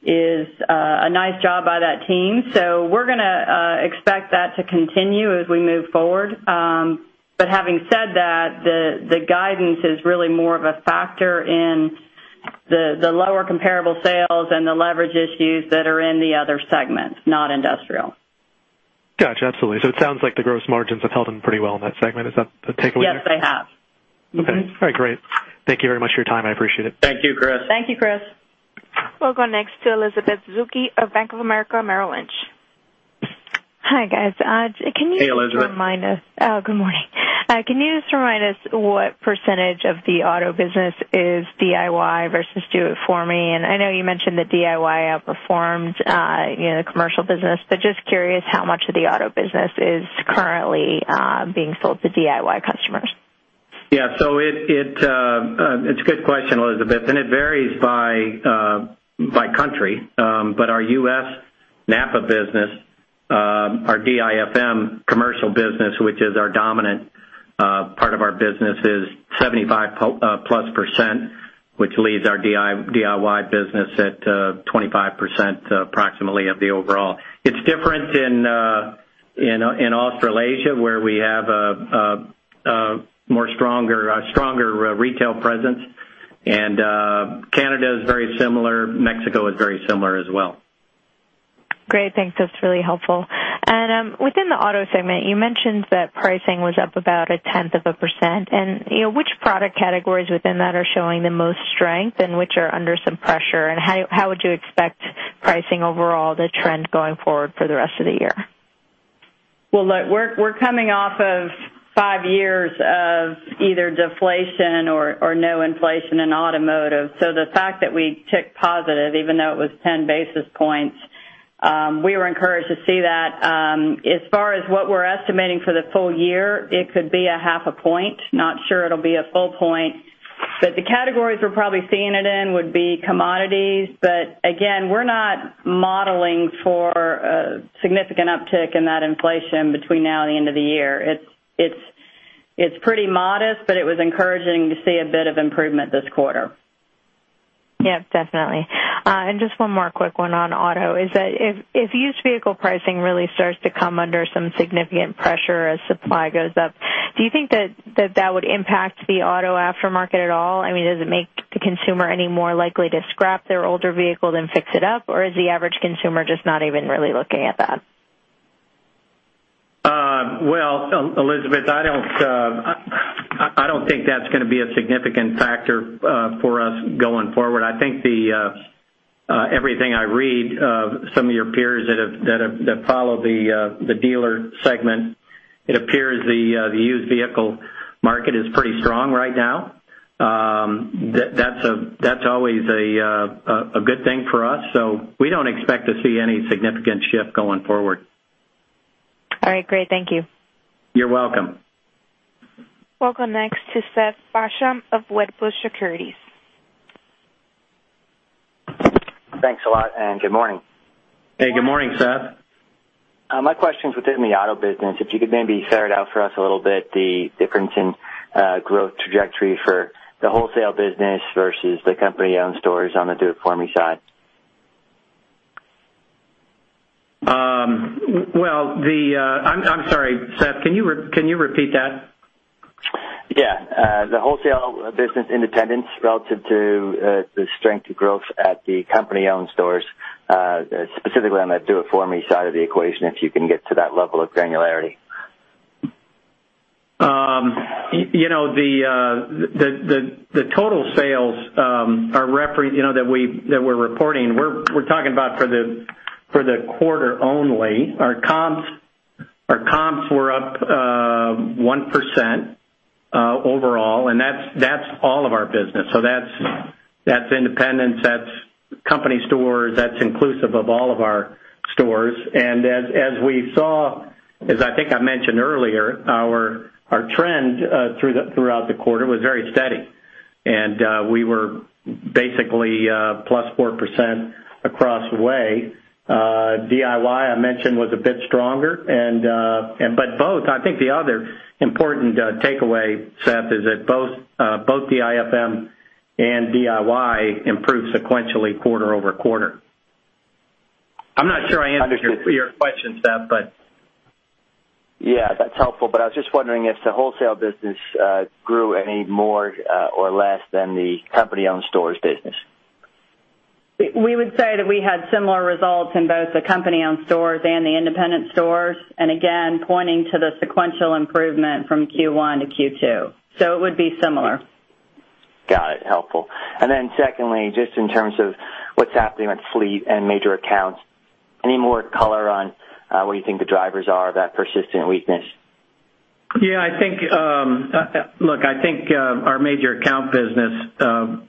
is a nice job by that team. We're going to expect that to continue as we move forward. Having said that, the guidance is really more of a factor in the lower comparable sales and the leverage issues that are in the other segments, not industrial. Got you. Absolutely. It sounds like the gross margins have held in pretty well in that segment. Is that the takeaway there? Yes, they have. Okay. All right, great. Thank you very much for your time. I appreciate it. Thank you, Chris. Thank you, Chris. We'll go next to Elizabeth Suzuki of Bank of America Merrill Lynch. Hi, guys. Hey, Elizabeth. Can you just remind us Oh, good morning. Can you just remind us what percentage of the auto business is DIY versus DIFM? I know you mentioned that DIY outperformed the commercial business, just curious how much of the auto business is currently being sold to DIY customers. Yeah. It's a good question, Elizabeth, it varies by country. Our U.S. NAPA business, our DIFM commercial business, which is our dominant part of our business, is 75%+, which leaves our DIY business at 25% approximately of the overall. It's different in Australasia, where we have a stronger retail presence. Canada is very similar, Mexico is very similar as well. Great. Thanks. That's really helpful. Within the auto segment, you mentioned that pricing was up about a tenth of a percent. Which product categories within that are showing the most strength and which are under some pressure? How would you expect pricing overall to trend going forward for the rest of the year? Well, look, we're coming off of five years of either deflation or no inflation in automotive. The fact that we ticked positive, even though it was 10 basis points, we were encouraged to see that. As far as what we're estimating for the full year, it could be a half a point. Not sure it'll be a full point, but the categories we're probably seeing it in would be commodities. Again, we're not modeling for a significant uptick in that inflation between now and the end of the year. It's pretty modest, but it was encouraging to see a bit of improvement this quarter. Yep, definitely. Just one more quick one on auto is that if used vehicle pricing really starts to come under some significant pressure as supply goes up, do you think that that would impact the auto aftermarket at all? Does it make the consumer any more likely to scrap their older vehicle than fix it up? Or is the average consumer just not even really looking at that? Well, Elizabeth, I don't think that's going to be a significant factor for us going forward. I think everything I read of some of your peers that follow the dealer segment, it appears the used vehicle market is pretty strong right now. That's always a good thing for us. We don't expect to see any significant shift going forward. All right, great. Thank you. You're welcome. Welcome next to Seth Basham of Wedbush Securities. Thanks a lot, good morning. Hey, good morning, Seth. My question's within the auto business, if you could maybe ferret out for us a little bit the difference in growth trajectory for the wholesale business versus the company-owned stores on the do it for me side. Well, I'm sorry, Seth, can you repeat that? Yeah. The wholesale business independence relative to the strength of growth at the company-owned stores, specifically on that do it for me side of the equation, if you can get to that level of granularity. The total sales that we're reporting, we're talking about for the quarter only. Our comps were up 1% overall. That's all of our business. That's independents, that's company stores, that's inclusive of all of our stores. As we saw, as I think I mentioned earlier, our trend throughout the quarter was very steady, and we were basically plus 4% across way. DIY, I mentioned, was a bit stronger. Both, I think the other important takeaway, Seth, is that both DIFM and DIY improved sequentially quarter-over-quarter. I'm not sure I answered your question, Seth. that's helpful. I was just wondering if the wholesale business grew any more or less than the company-owned stores business. We would say that we had similar results in both the company-owned stores and the independent stores, and again, pointing to the sequential improvement from Q1 to Q2. It would be similar. Got it. Helpful. Secondly, just in terms of what's happening with fleet and major accounts, any more color on what you think the drivers are of that persistent weakness? Yeah. Look, I think our major account business,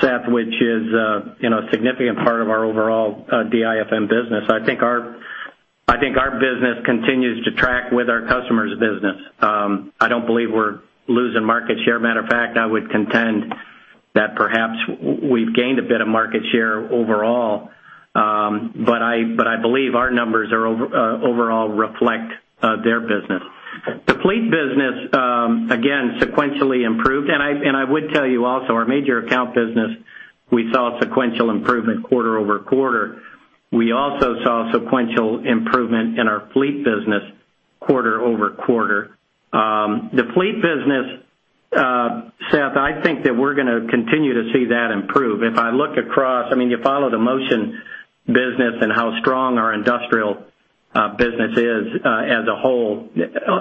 Seth, which is a significant part of our overall DIFM business, I think our business continues to track with our customers' business. I don't believe we're losing market share. Matter of fact, I would contend that perhaps we've gained a bit of market share overall. I believe our numbers overall reflect their business. The fleet business, again, sequentially improved, and I would tell you also, our major account business, we saw sequential improvement quarter-over-quarter. We also saw sequential improvement in our fleet business quarter-over-quarter. The fleet business, Seth, I think that we're going to continue to see that improve. If I look across, you follow the Motion business and how strong our industrial business is as a whole.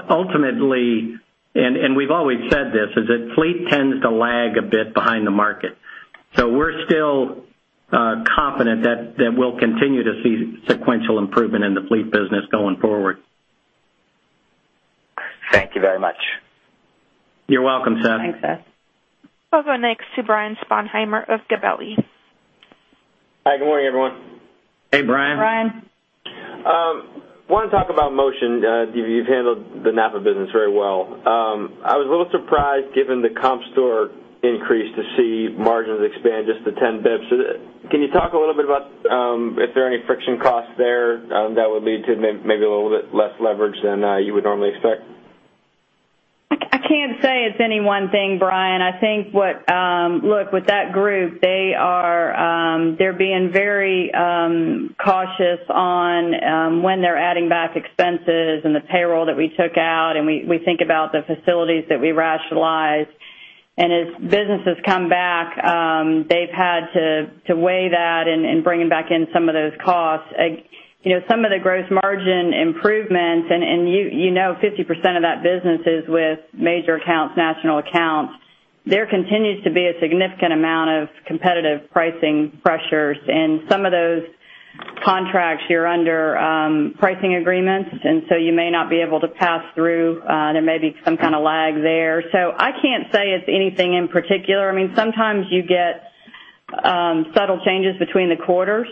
Ultimately, and we've always said this, is that fleet tends to lag a bit behind the market. We're still confident that we'll continue to see sequential improvement in the fleet business going forward. Thank you very much. You're welcome, Seth. Thanks, Seth. We'll go next to Brian Sponheimer of Gabelli. Hi, good morning, everyone. Hey, Brian. Brian. I want to talk about Motion. You've handled the NAPA business very well. I was a little surprised, given the comp store increase, to see margins expand just to 10 basis points. Can you talk a little bit about, if there are any friction costs there that would lead to maybe a little bit less leverage than you would normally expect? I can't say it's any one thing, Brian. Look, with that group, they're being very cautious on when they're adding back expenses and the payroll that we took out, and we think about the facilities that we rationalized. As businesses come back, they've had to weigh that in bringing back in some of those costs. Some of the gross margin improvements, and you know 50% of that business is with major accounts, national accounts. There continues to be a significant amount of competitive pricing pressures, and some of those contracts, you're under pricing agreements. You may not be able to pass through. There may be some kind of lag there. I can't say it's anything in particular. Sometimes you get subtle changes between the quarters.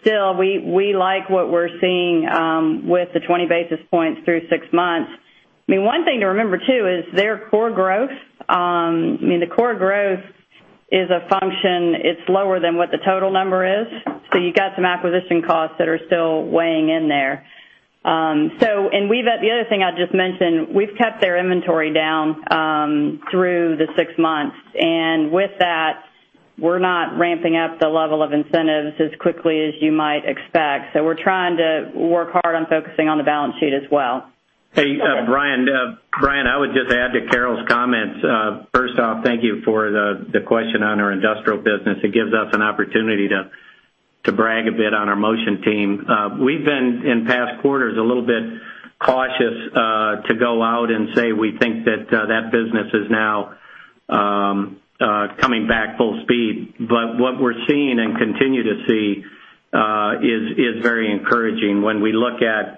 Still, we like what we're seeing with the 20 basis points through six months. One thing to remember, too, is their core growth. The core growth is a function, it's lower than what the total number is. You got some acquisition costs that are still weighing in there. The other thing I'd just mention, we've kept their inventory down through the six months. With that, we're not ramping up the level of incentives as quickly as you might expect. We're trying to work hard on focusing on the balance sheet as well. Hey, Brian, I would just add to Carol's comments. First off, thank you for the question on our industrial business. It gives us an opportunity to brag a bit on our Motion team. We've been, in past quarters, a little bit cautious to go out and say we think that that business is now coming back full speed. What we're seeing and continue to see is very encouraging. When we look at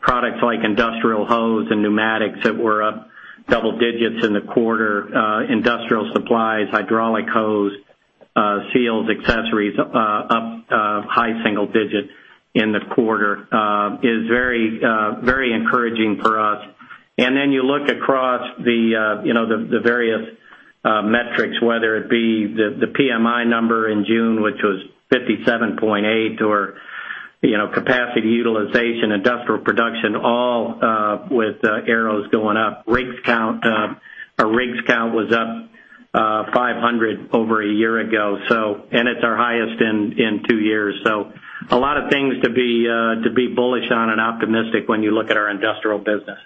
products like industrial hose and pneumatics that were up double digits in the quarter, industrial supplies, hydraulic hose, seals, accessories, up high single digit in the quarter, is very encouraging for us. Then you look across the various metrics, whether it be the PMI number in June, which was 57.8, or capacity utilization, industrial production, all with arrows going up. Our rigs count was up 500 over a year ago. It's our highest in two years. A lot of things to be bullish on and optimistic when you look at our industrial business.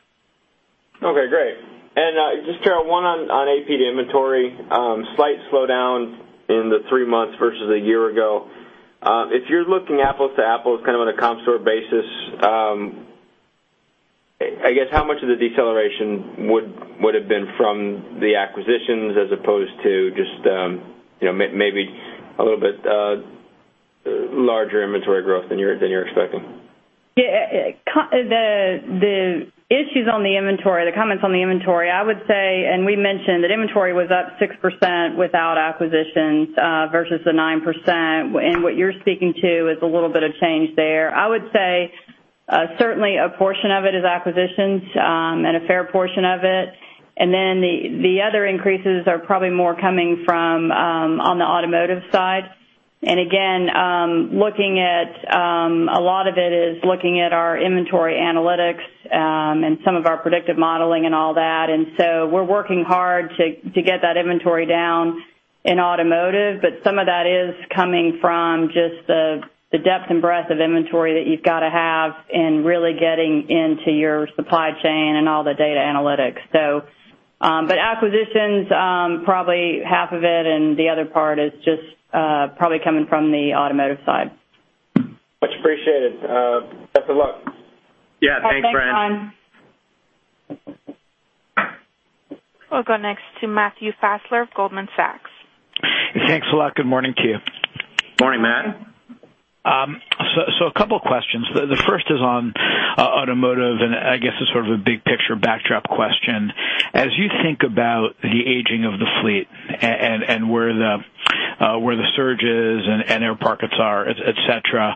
Okay, great. Just, Carol, one on APG inventory. Slight slowdown in the three months versus a year ago. If you're looking apples to apples on a comp store basis, I guess, how much of the deceleration would've been from the acquisitions as opposed to just maybe a little bit larger inventory growth than you're expecting? Yeah. The issues on the inventory, the comments on the inventory, I would say, we mentioned that inventory was up 6% without acquisitions versus the 9%. What you're speaking to is a little bit of change there. I would say, certainly a portion of it is acquisitions, a fair portion of it. The other increases are probably more coming from on the automotive side. Again, a lot of it is looking at our inventory analytics and some of our predictive modeling and all that. We're working hard to get that inventory down in automotive, but some of that is coming from just the depth and breadth of inventory that you've got to have, and really getting into your supply chain and all the data analytics. Acquisitions, probably half of it and the other part is just probably coming from the automotive side. Much appreciated. Best of luck. Yeah. Thanks, Brian. Thanks, Brian. We'll go next to Matthew Fassler of Goldman Sachs. Thanks a lot. Good morning to you. Morning, Matt. A couple of questions. The first is on Automotive, and I guess a sort of a big picture backdrop question. As you think about the aging of the fleet and where the surge is and air pockets are, et cetera,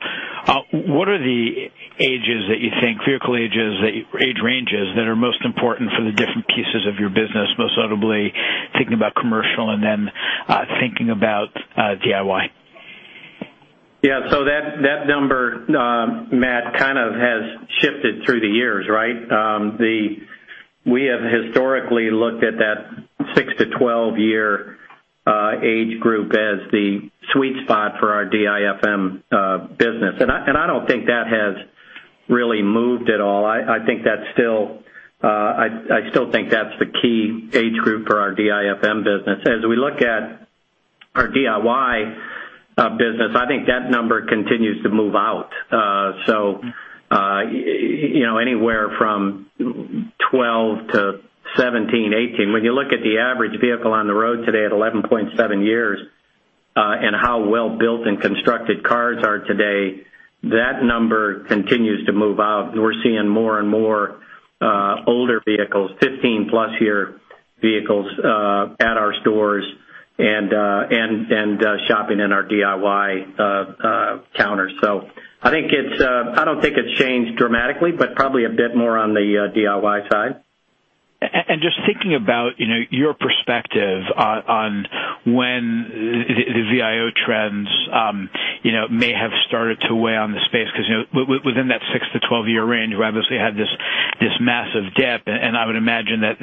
what are the ages that you think, vehicle age ranges, that are most important for the different pieces of your business, most notably thinking about commercial and then thinking about DIY? Yeah. That number, Matt, kind of has shifted through the years, right? We have historically looked at that six to 12-year age group as the sweet spot for our DIFM business. I don't think that has really moved at all. I still think that's the key age group for our DIFM business. As we look at our DIY business, I think that number continues to move out. Anywhere from 12 to 17, 18. When you look at the average vehicle on the road today at 11.7 years, and how well-built and constructed cars are today, that number continues to move out. We're seeing more and more older vehicles, 15-plus year vehicles, at our stores and shopping in our DIY counter. I don't think it's changed dramatically, but probably a bit more on the DIY side. Just thinking about your perspective on when the VIO trends may have started to weigh on the space because within that six to 12-year range, you obviously had this massive dip, and I would imagine that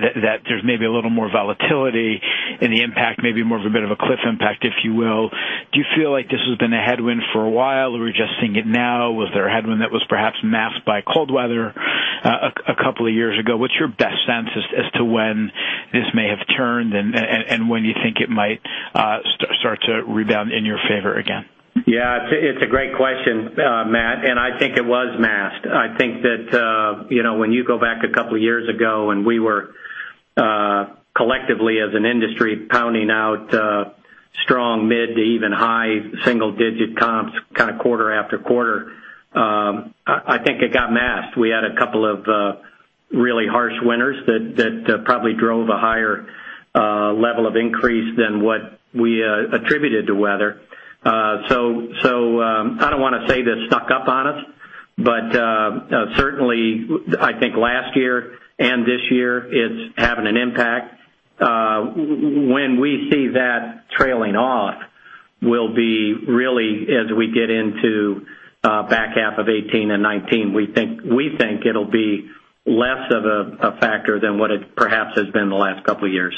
there's maybe a little more volatility in the impact, maybe more of a bit of a cliff impact, if you will. Do you feel like this has been a headwind for a while, or are we just seeing it now? Was there a headwind that was perhaps masked by cold weather a couple of years ago? What's your best sense as to when this may have turned, and when you think it might start to rebound in your favor again? It's a great question, Matt, I think it was masked. I think that when you go back a couple of years ago, we were collectively as an industry pounding out strong mid to even high single-digit comps kind of quarter after quarter, I think it got masked. We had a couple of really harsh winters that probably drove a higher level of increase than what we attributed to weather. I don't want to say this snuck up on us, but certainly I think last year and this year it's having an impact. When we see that trailing off will be really as we get into back half of 2018 and 2019, we think it'll be less of a factor than what it perhaps has been the last couple of years.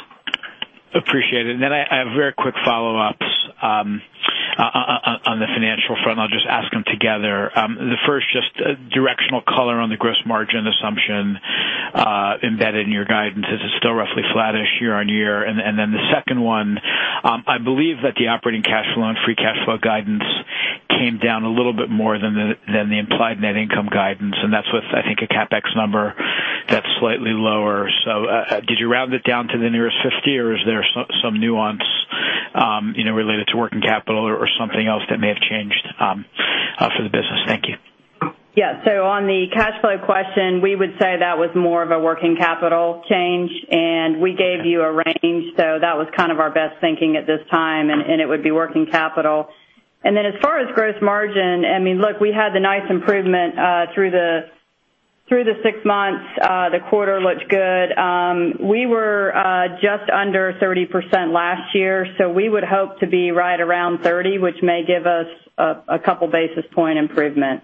Appreciate it. Then I have very quick follow-ups on the financial front, I'll just ask them together. The first, just directional color on the gross margin assumption embedded in your guidance. Is it still roughly flattish year-on-year? Then the second one, I believe that the operating cash flow and free cash flow guidance came down a little bit more than the implied net income guidance, and that's with, I think, a CapEx number that's slightly lower. Did you round it down to the nearest 50, or is there some nuance related to working capital or something else that may have changed for the business? Thank you. Yeah. On the cash flow question, we would say that was more of a working capital change, we gave you a range. That was kind of our best thinking at this time, it would be working capital. Then as far as gross margin, look, we had the nice improvement through the six months. The quarter looked good. We were just under 30% last year, we would hope to be right around 30%, which may give us a couple basis point improvement.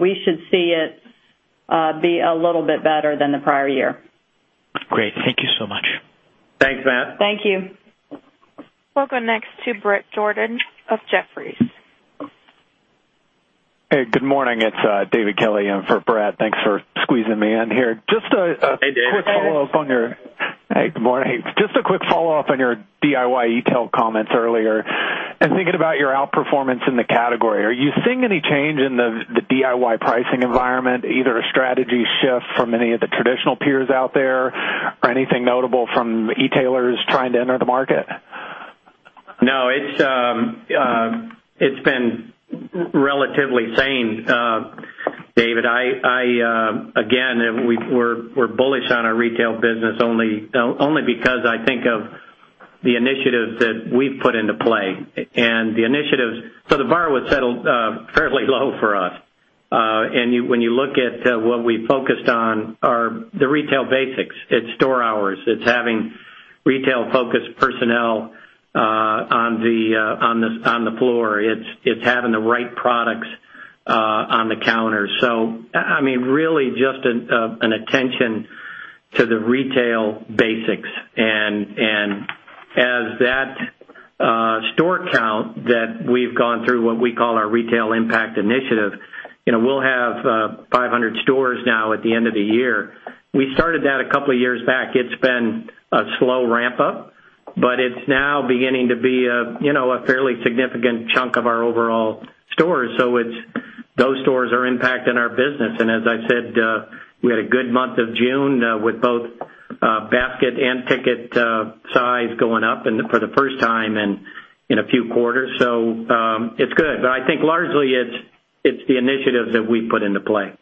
We should see it be a little bit better than the prior year. Great. Thank you so much. Thanks, Matt. Thank you. We'll go next to Bret Jordan of Jefferies. Hey, good morning. It's David Kelley in for Bret. Thanks for squeezing me in here. Hey, David. Good morning. Just a quick follow-up on your DIY e-tail comments earlier and thinking about your outperformance in the category. Are you seeing any change in the DIY pricing environment, either a strategy shift from any of the traditional peers out there or anything notable from e-tailers trying to enter the market? No, it's been relatively sane, David. We're bullish on our retail business only because I think of the initiatives that we've put into play. The bar was set fairly low for us. When you look at what we focused on are the retail basics. It's store hours. It's having retail-focused personnel on the floor. It's having the right products on the counter. Really just an attention to the retail basics. As that store count that we've gone through, what we call our Retail Impact initiative, we'll have 500 stores now at the end of the year. We started that a couple of years back. It's been a slow ramp-up, but it's now beginning to be a fairly significant chunk of our overall stores. Those stores are impacting our business. As I said, we had a good month of June with both basket and ticket size going up for the first time in a few quarters. It's good. I think largely it's the initiatives that we've put into play.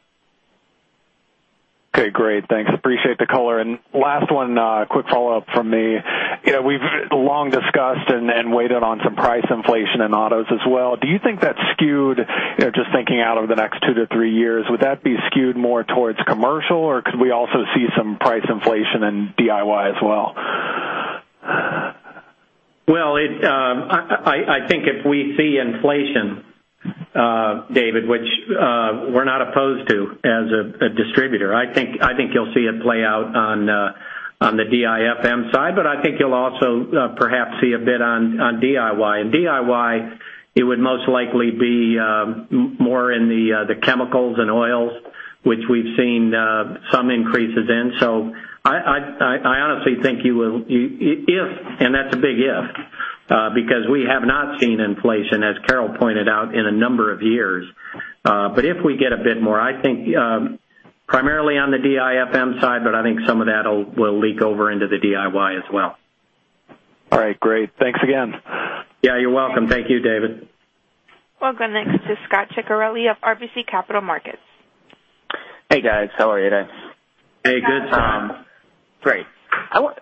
Okay, great. Thanks. Appreciate the color. Last one, quick follow-up from me. We've long discussed and waited on some price inflation in autos as well. Do you think that's skewed, just thinking out over the next 2 to 3 years, would that be skewed more towards commercial, or could we also see some price inflation in DIY as well? Well, I think if we see inflation, David, which we're not opposed to as a distributor, I think you'll see it play out on the DIFM side, but I think you'll also perhaps see a bit on DIY. In DIY, it would most likely be more in the chemicals and oils, which we've seen some increases in. I honestly think if, and that's a big if. Because we have not seen inflation, as Carol pointed out, in a number of years. If we get a bit more, I think primarily on the DIFM side, but I think some of that will leak over into the DIY as well. All right, great. Thanks again. Yeah, you're welcome. Thank you, David. Welcome next to Scot Ciccarelli of RBC Capital Markets. Hey, guys. How are you today? Hey, good, Tom. Great. Paul,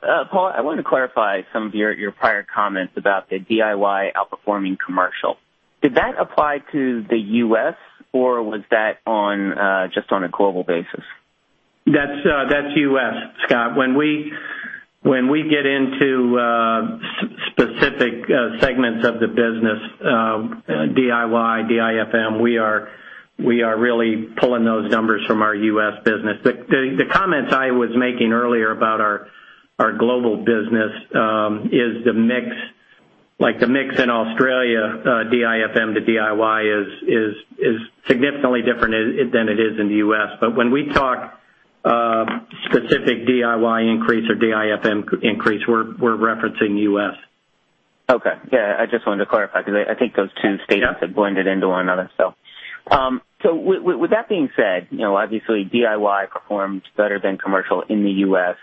I wanted to clarify some of your prior comments about the DIY outperforming commercial. Did that apply to the U.S. or was that just on a global basis? That's U.S., Scot. When we get into specific segments of the business, DIY, DIFM, we are really pulling those numbers from our U.S. business. The comments I was making earlier about our global business is the mix, like the mix in Australia, DIFM to DIY is significantly different than it is in the U.S. When we talk specific DIY increase or DIFM increase, we're referencing U.S. Okay. Yeah, I just wanted to clarify, because I think those two statements had blended into one another still. With that being said, obviously DIY performed better than commercial in the U.S.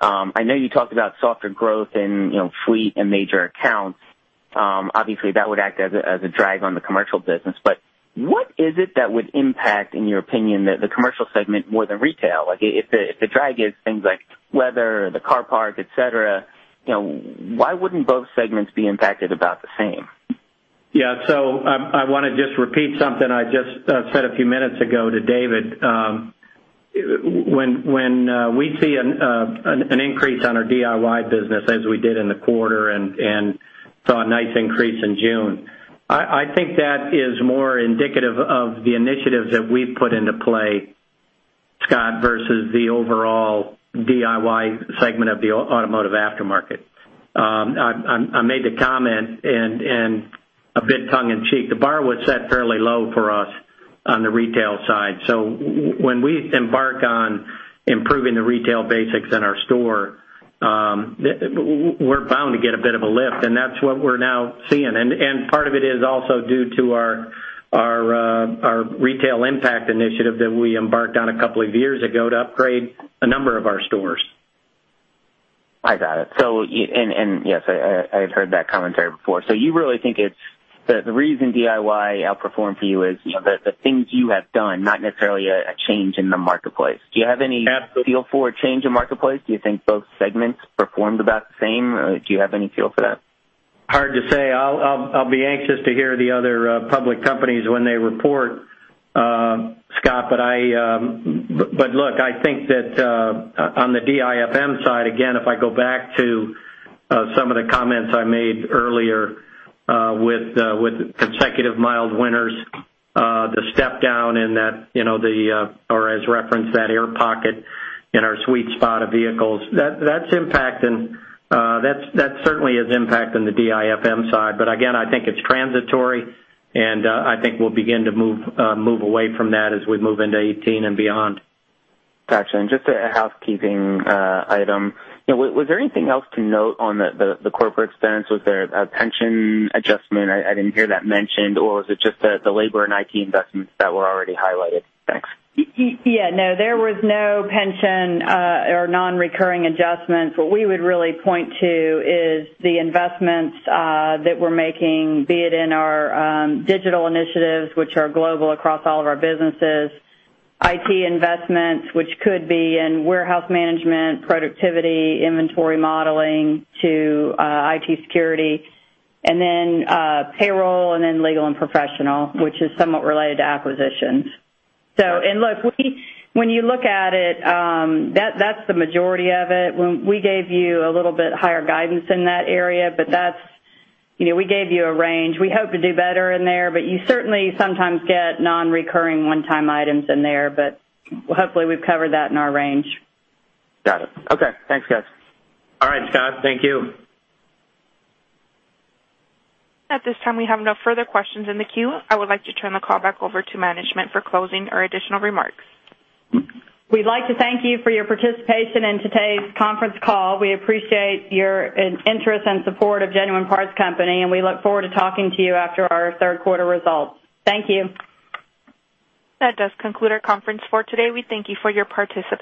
I know you talked about softer growth in fleet and major accounts. Obviously, that would act as a drag on the commercial business. What is it that would impact, in your opinion, the commercial segment more than retail? If the drag is things like weather, the car park, et cetera, why wouldn't both segments be impacted about the same? Yeah. I want to just repeat something I just said a few minutes ago to David. When we see an increase on our DIY business, as we did in the quarter, and saw a nice increase in June, I think that is more indicative of the initiatives that we've put into play, Scot, versus the overall DIY segment of the automotive aftermarket. I made the comment and a bit tongue in cheek, the bar was set fairly low for us on the retail side. When we embark on improving the retail basics in our store, we're bound to get a bit of a lift, and that's what we're now seeing. Part of it is also due to our Retail Impact initiative that we embarked on a couple of years ago to upgrade a number of our stores. I got it. I've heard that commentary before. You really think it's that the reason DIY outperformed for you is the things you have done, not necessarily a change in the marketplace. Do you have any- Absolutely feel for a change in marketplace? Do you think both segments performed about the same? Do you have any feel for that? Hard to say. I'll be anxious to hear the other public companies when they report, Scot. Look, I think that on the DIFM side, again, if I go back to some of the comments I made earlier with consecutive mild winters, the step down in that, or as referenced, that air pocket in our sweet spot of vehicles. That certainly is impacting the DIFM side. Again, I think it's transitory, and I think we'll begin to move away from that as we move into 2018 and beyond. Got you. Just a housekeeping item. Was there anything else to note on the corporate expense? Was there a pension adjustment? I didn't hear that mentioned, or was it just the labor and IT investments that were already highlighted? Thanks. No, there was no pension or non-recurring adjustments. What we would really point to is the investments that we're making, be it in our digital initiatives, which are global across all of our businesses, IT investments, which could be in warehouse management, productivity, inventory modeling to IT security, and then payroll, and then legal and professional, which is somewhat related to acquisitions. Look, when you look at it, that's the majority of it. We gave you a little bit higher guidance in that area, we gave you a range. We hope to do better in there, but you certainly sometimes get non-recurring one-time items in there. Hopefully, we've covered that in our range. Got it. Okay. Thanks, guys. All right, Scot. Thank you. At this time, we have no further questions in the queue. I would like to turn the call back over to management for closing or additional remarks. We'd like to thank you for your participation in today's conference call. We appreciate your interest and support of Genuine Parts Company. We look forward to talking to you after our third quarter results. Thank you. That does conclude our conference for today. We thank you for your participation.